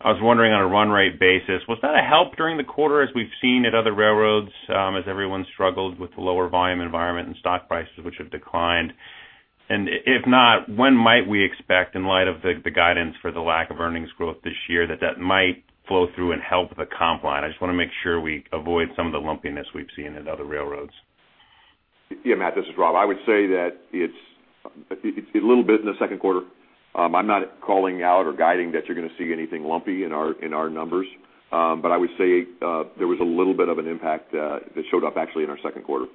S23: I was wondering on a run rate basis, was that a help during the quarter as we've seen at other railroads, as everyone struggled with the lower volume environment and stock prices which have declined? If not, when might we expect in light of the guidance for the lack of earnings growth this year that that might flow through and help the comp line? I just want to make sure we avoid some of the lumpiness we've seen at other railroads.
S5: Yeah, Matt, this is Rob. I would say that it's a little bit in the second quarter. I'm not calling out or guiding that you're going to see anything lumpy in our numbers. I would say there was a little bit of an impact that showed up actually in our second quarter.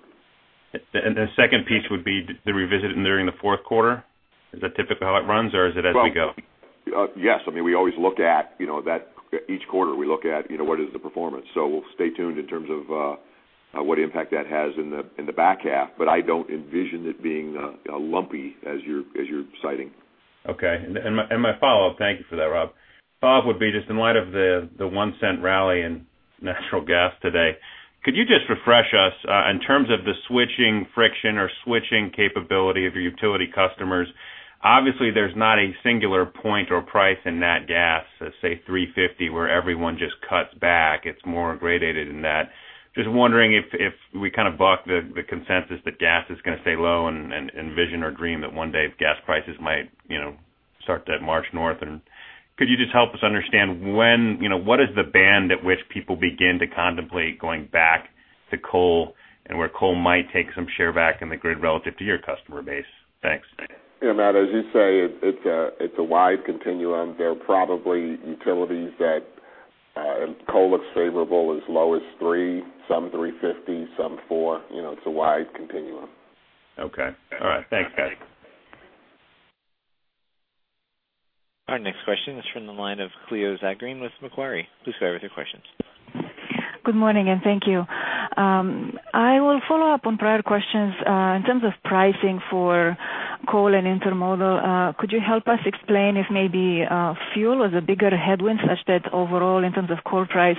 S23: The second piece would be the revisit during the fourth quarter? Is that typically how it runs, or is it as we go?
S5: Yes. Each quarter, we look at what is the performance. We'll stay tuned in terms of what impact that has in the back half. I don't envision it being lumpy as you're citing.
S23: Okay. My follow-up, thank you for that, Rob. Rob would be just in light of the $0.01 rally in natural gas today. Could you just refresh us in terms of the switching friction or switching capability of your utility customers? Obviously, there's not a singular point or price in nat gas, let's say $3.50, where everyone just cuts back. It's more gradated than that. Just wondering if we kind of buck the consensus that gas is going to stay low and envision or dream that one day gas prices might start to march north and could you just help us understand what is the band at which people begin to contemplate going back to coal and where coal might take some share back in the grid relative to your customer base? Thanks.
S3: Yeah, Matt, as you say, it's a wide continuum. There are probably utilities that coal looks favorable as low as $3, some $350, some $4. It's a wide continuum.
S23: Okay. All right. Thanks, guys.
S1: Our next question is from the line of Cherilyn Zaguren with Macquarie. Please go ahead with your questions.
S24: Good morning, and thank you. I will follow up on prior questions in terms of pricing for coal and intermodal. Could you help us explain if maybe fuel is a bigger headwind, such that overall, in terms of core price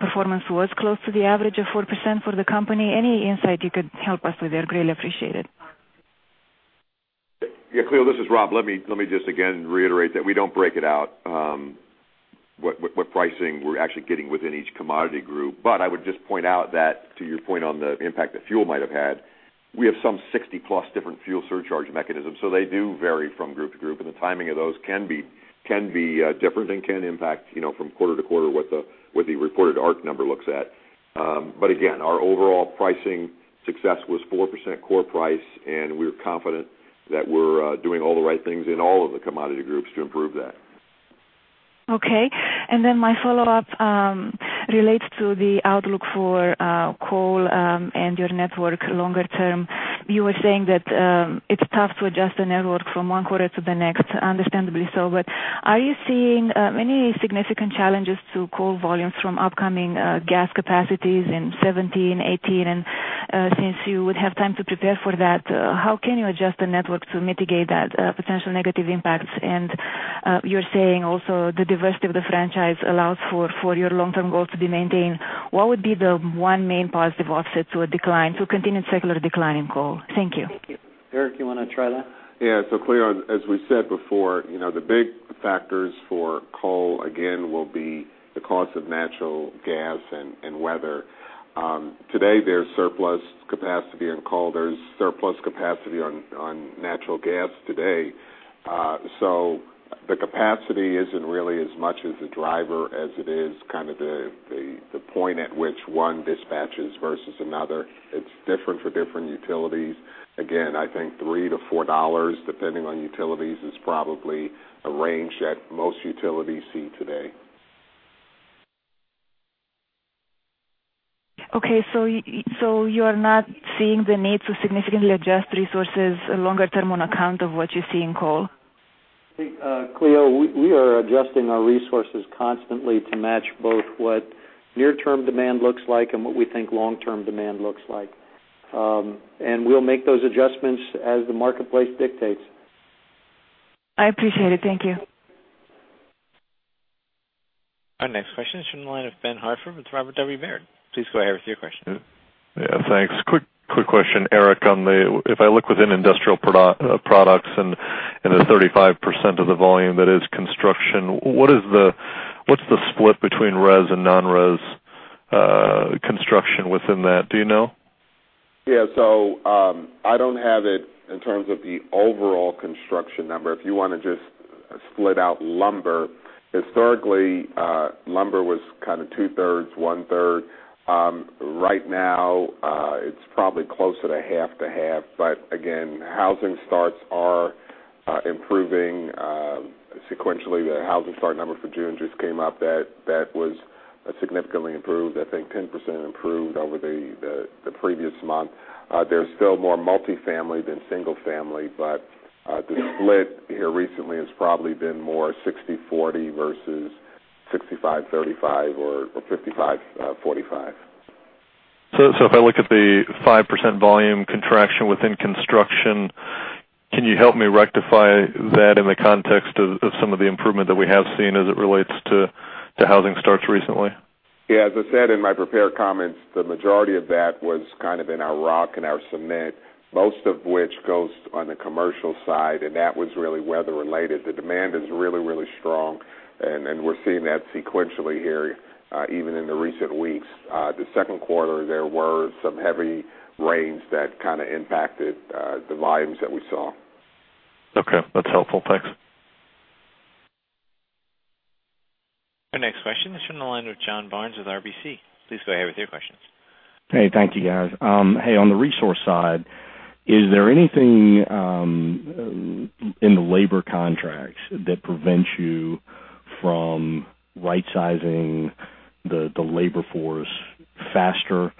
S24: performance was close to the average of 4% for the company? Any insight you could help us with there, greatly appreciated.
S5: Yeah, Cherilyn Zaguren, this is Rob Knight. Let me just again reiterate that we don't break it out what pricing we're actually getting within each commodity group. I would just point out that to your point on the impact that fuel might have had, we have some 60-plus different fuel surcharge mechanisms. They do vary from group to group, and the timing of those can be different and can impact from quarter to quarter what the reported ARC number looks at. Again, our overall pricing success was 4% core price, and we're confident that we're doing all the right things in all of the commodity groups to improve that.
S24: Okay. My follow-up relates to the outlook for coal and your network longer term. You were saying that it's tough to adjust the network from one quarter to the next, understandably so, but are you seeing any significant challenges to coal volumes from upcoming gas capacities in 2017, 2018? Since you would have time to prepare for that, how can you adjust the network to mitigate that potential negative impacts? You're saying also the diversity of the franchise allows for your long-term goals to be maintained. What would be the one main positive offset to a decline, to continued secular decline in coal? Thank you.
S3: Eric Butler, you want to try that? Yeah. Cherilyn Zaguren, as we said before, the big factors for coal, again, will be the cost of natural gas and weather. Today, there's surplus capacity in coal. There's surplus capacity on natural gas today. The capacity isn't really as much as a driver as it is kind of the point at which one dispatches versus another. It's different for different utilities. Again, I think $3-$4, depending on utilities, is probably a range that most utilities see today.
S24: Okay. You are not seeing the need to significantly adjust resources longer term on account of what you see in coal?
S2: I think, Cleo, we are adjusting our resources constantly to match both what near-term demand looks like and what we think long-term demand looks like. We'll make those adjustments as the marketplace dictates.
S24: I appreciate it. Thank you.
S1: Our next question is from the line of Benjamin Hartford with Robert W. Baird. Please go ahead with your question.
S25: Yeah, thanks. Quick question, Erik, if I look within industrial products and the 35% of the volume that is construction, what's the split between res and non-res construction within that? Do you know?
S3: Yeah. I don't have it in terms of the overall construction number. If you want to just split out lumber, historically, lumber was kind of two-thirds, one-third. Right now, it's probably closer to half to half. Again, housing starts are improving sequentially. The housing start number for June just came out. That was significantly improved, I think 10% improved over the previous month. There's still more multi-family than single-family, but the split here recently has probably been more 60/40 versus 65/35 or 55/45.
S25: If I look at the 5% volume contraction within construction, can you help me rectify that in the context of some of the improvement that we have seen as it relates to housing starts recently?
S3: Yeah. As I said in my prepared comments, the majority of that was kind of in our rock and our cement, most of which goes on the commercial side, and that was really weather related. The demand is really, really strong, and we're seeing that sequentially here even in the recent weeks. The second quarter, there were some heavy rains that kind of impacted the volumes that we saw.
S25: Okay. That's helpful. Thanks.
S1: Our next question is from the line of John Barnes with RBC. Please go ahead with your questions.
S26: Hey, thank you, guys. Hey, on the resource side, is there anything in the labor contracts that prevents you from right-sizing the labor force faster?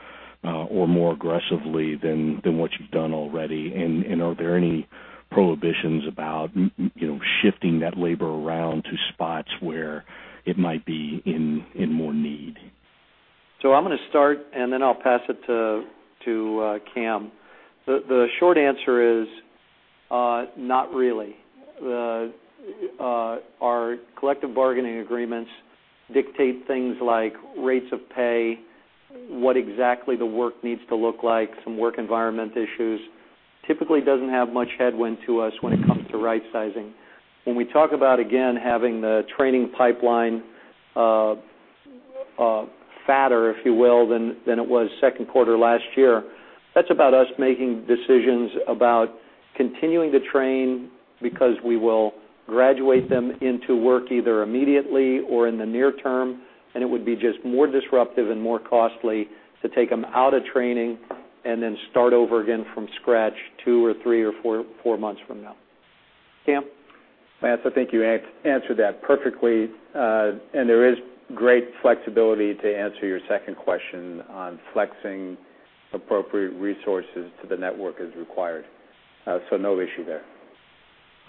S26: More aggressively than what you've done already. Are there any prohibitions about shifting that labor around to spots where it might be in more need?
S2: I'm going to start, and then I'll pass it to Cam. The short answer is, not really. Our collective bargaining agreements dictate things like rates of pay, what exactly the work needs to look like, some work environment issues. Typically doesn't have much headwind to us when it comes to right-sizing. When we talk about, again, having the training pipeline fatter, if you will, than it was second quarter last year, that's about us making decisions about continuing to train because we will graduate them into work either immediately or in the near term, and it would be just more disruptive and more costly to take them out of training and then start over again from scratch two or three or four months from now. Cam?
S4: Lance, I think you answered that perfectly. There is great flexibility, to answer your second question on flexing appropriate resources to the network as required. No issue there.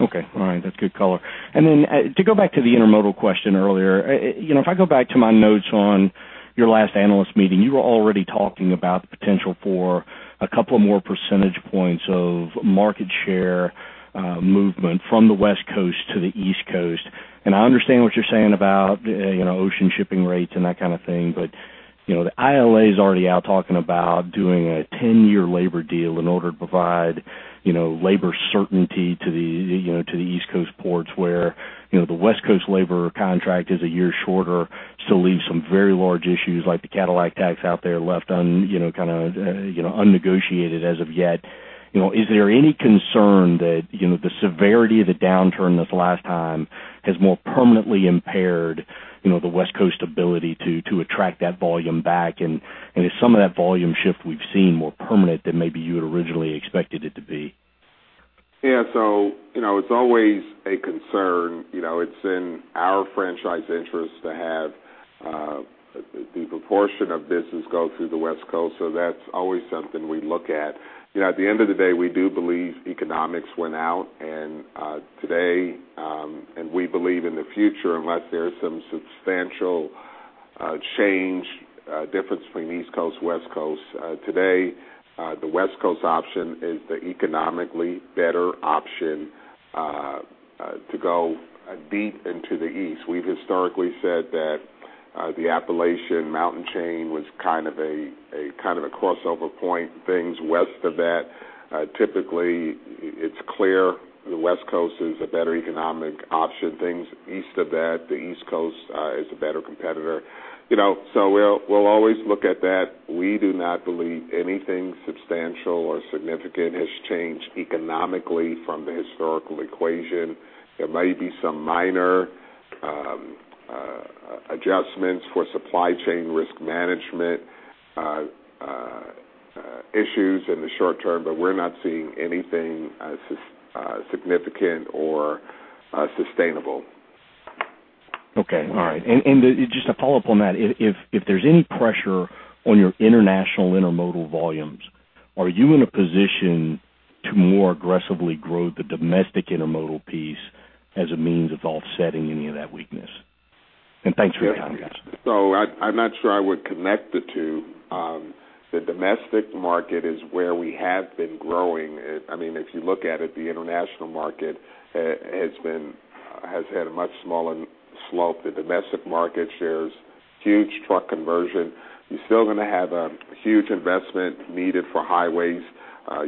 S26: Okay. All right. That's good color. To go back to the intermodal question earlier, if I go back to my notes on your last analyst meeting, you were already talking about the potential for a couple more percentage points of market share movement from the West Coast to the East Coast. I understand what you're saying about ocean shipping rates and that kind of thing, but the ILA is already out talking about doing a 10-year labor deal in order to provide labor certainty to the East Coast ports where the West Coast labor contract is a year shorter, still leaves some very large issues like the Cadillac Tax out there left unnegotiated as of yet. Is there any concern that the severity of the downturn this last time has more permanently impaired the West Coast ability to attract that volume back? Is some of that volume shift we've seen more permanent than maybe you had originally expected it to be?
S3: Yeah, it's always a concern. It's in our franchise interest to have the proportion of business go through the West Coast, that's always something we look at. At the end of the day, we do believe economics win out, today, and we believe in the future, unless there's some substantial change, difference between East Coast, West Coast. Today, the West Coast option is the economically better option to go deep into the East. We've historically said that the Appalachian Mountain chain was a crossover point. Things west of that, typically, it's clear the West Coast is a better economic option. Things east of that, the East Coast is a better competitor. We'll always look at that. We do not believe anything substantial or significant has changed economically from the historical equation. There may be some minor adjustments for supply chain risk management issues in the short term, but we're not seeing anything significant or sustainable.
S26: Okay. All right. Just to follow up on that, if there's any pressure on your international intermodal volumes, are you in a position to more aggressively grow the domestic intermodal piece as a means of offsetting any of that weakness? Thanks for your time, guys.
S3: I'm not sure I would connect the two. The domestic market is where we have been growing. If you look at it, the international market has had a much smaller slope. The domestic market shares huge truck conversion. You're still going to have a huge investment needed for highways.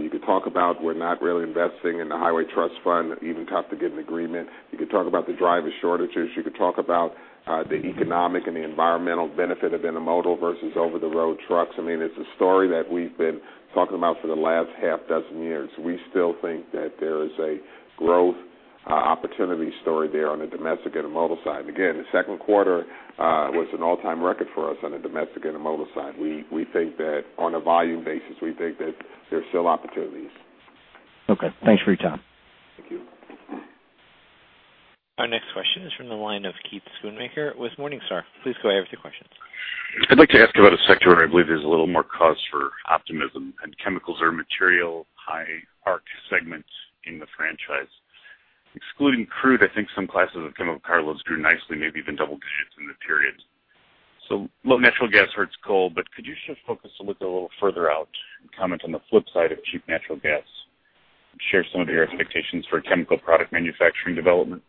S3: You could talk about we're not really investing in the Highway Trust Fund, even though to get an agreement. You could talk about the driver shortages. You could talk about the economic and the environmental benefit of intermodal versus over-the-road trucks. It's a story that we've been talking about for the last half dozen years. We still think that there is a growth opportunity story there on the domestic intermodal side. Again, the second quarter was an all-time record for us on the domestic intermodal side. On a volume basis, we think that there's still opportunities.
S26: Okay. Thanks for your time.
S3: Thank you.
S1: Our next question is from the line of Keith Schoonmaker with Morningstar. Please go ahead with your questions.
S27: I'd like to ask about a sector where I believe there's a little more cause for optimism and chemicals or material high ARC segments in the franchise. Excluding crude, I think some classes of chemical car loads grew nicely, maybe even double digits in the period. Low natural gas hurts coal, but could you shift focus and look a little further out and comment on the flip side of cheap natural gas and share some of your expectations for chemical product manufacturing development?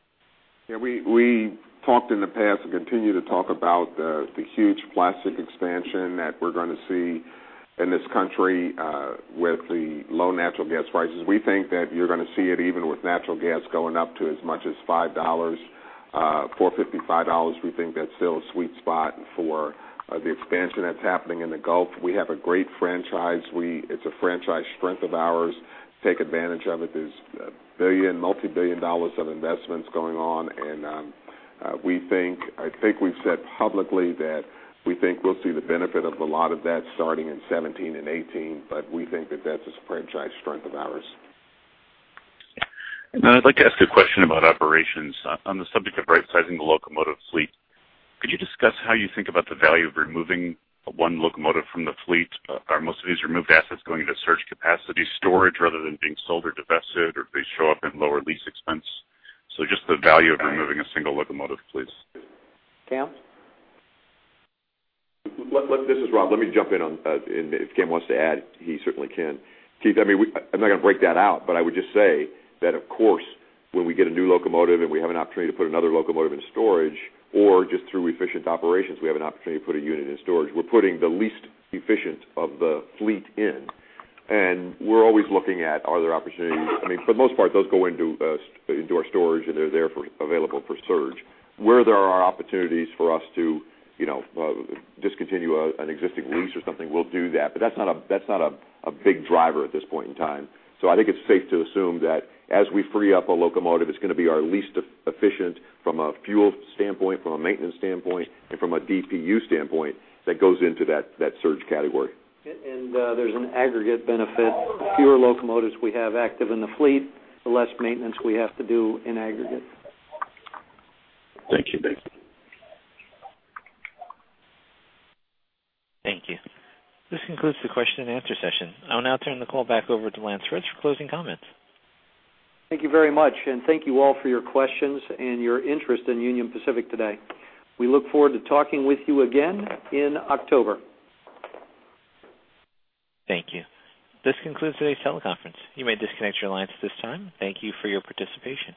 S3: We talked in the past and continue to talk about the huge plastic expansion that we're going to see in this country with the low natural gas prices. We think that you're going to see it even with natural gas going up to as much as $5, $4.55, we think that's still a sweet spot for the expansion that's happening in the Gulf. We have a great franchise. It's a franchise strength of ours. Take advantage of it. There's billion, multi-billion dollars of investments going on, and I think we've said publicly that we think we'll see the benefit of a lot of that starting in 2017 and 2018, but we think that that's a franchise strength of ours.
S27: I'd like to ask a question about operations. On the subject of rightsizing the locomotive fleet, could you discuss how you think about the value of removing one locomotive from the fleet? Are most of these removed assets going into surge capacity storage rather than being sold or divested, or do they show up in lower lease expense? Just the value of removing a single locomotive, please.
S2: Cam?
S5: This is Rob. Let me jump in on, and if Cam wants to add, he certainly can. Keith, I'm not going to break that out, but I would just say that, of course, when we get a new locomotive and we have an opportunity to put another locomotive in storage or just through efficient operations, we have an opportunity to put a unit in storage. We're putting the least efficient of the fleet in, and we're always looking at are there opportunities. For the most part, those go into indoor storage, and they're there for available for surge. Where there are opportunities for us to discontinue an existing lease or something, we'll do that. That's not a big driver at this point in time. I think it's safe to assume that as we free up a locomotive, it's going to be our least efficient from a fuel standpoint, from a maintenance standpoint, and from a DPU standpoint that goes into that surge category.
S2: There's an aggregate benefit. The fewer locomotives we have active in the fleet, the less maintenance we have to do in aggregate.
S27: Thank you. Both.
S1: Thank you. This concludes the question and answer session. I will now turn the call back over to Lance Fritz for closing comments.
S2: Thank you very much. Thank you all for your questions and your interest in Union Pacific today. We look forward to talking with you again in October.
S1: Thank you. This concludes today's teleconference. You may disconnect your lines at this time. Thank you for your participation.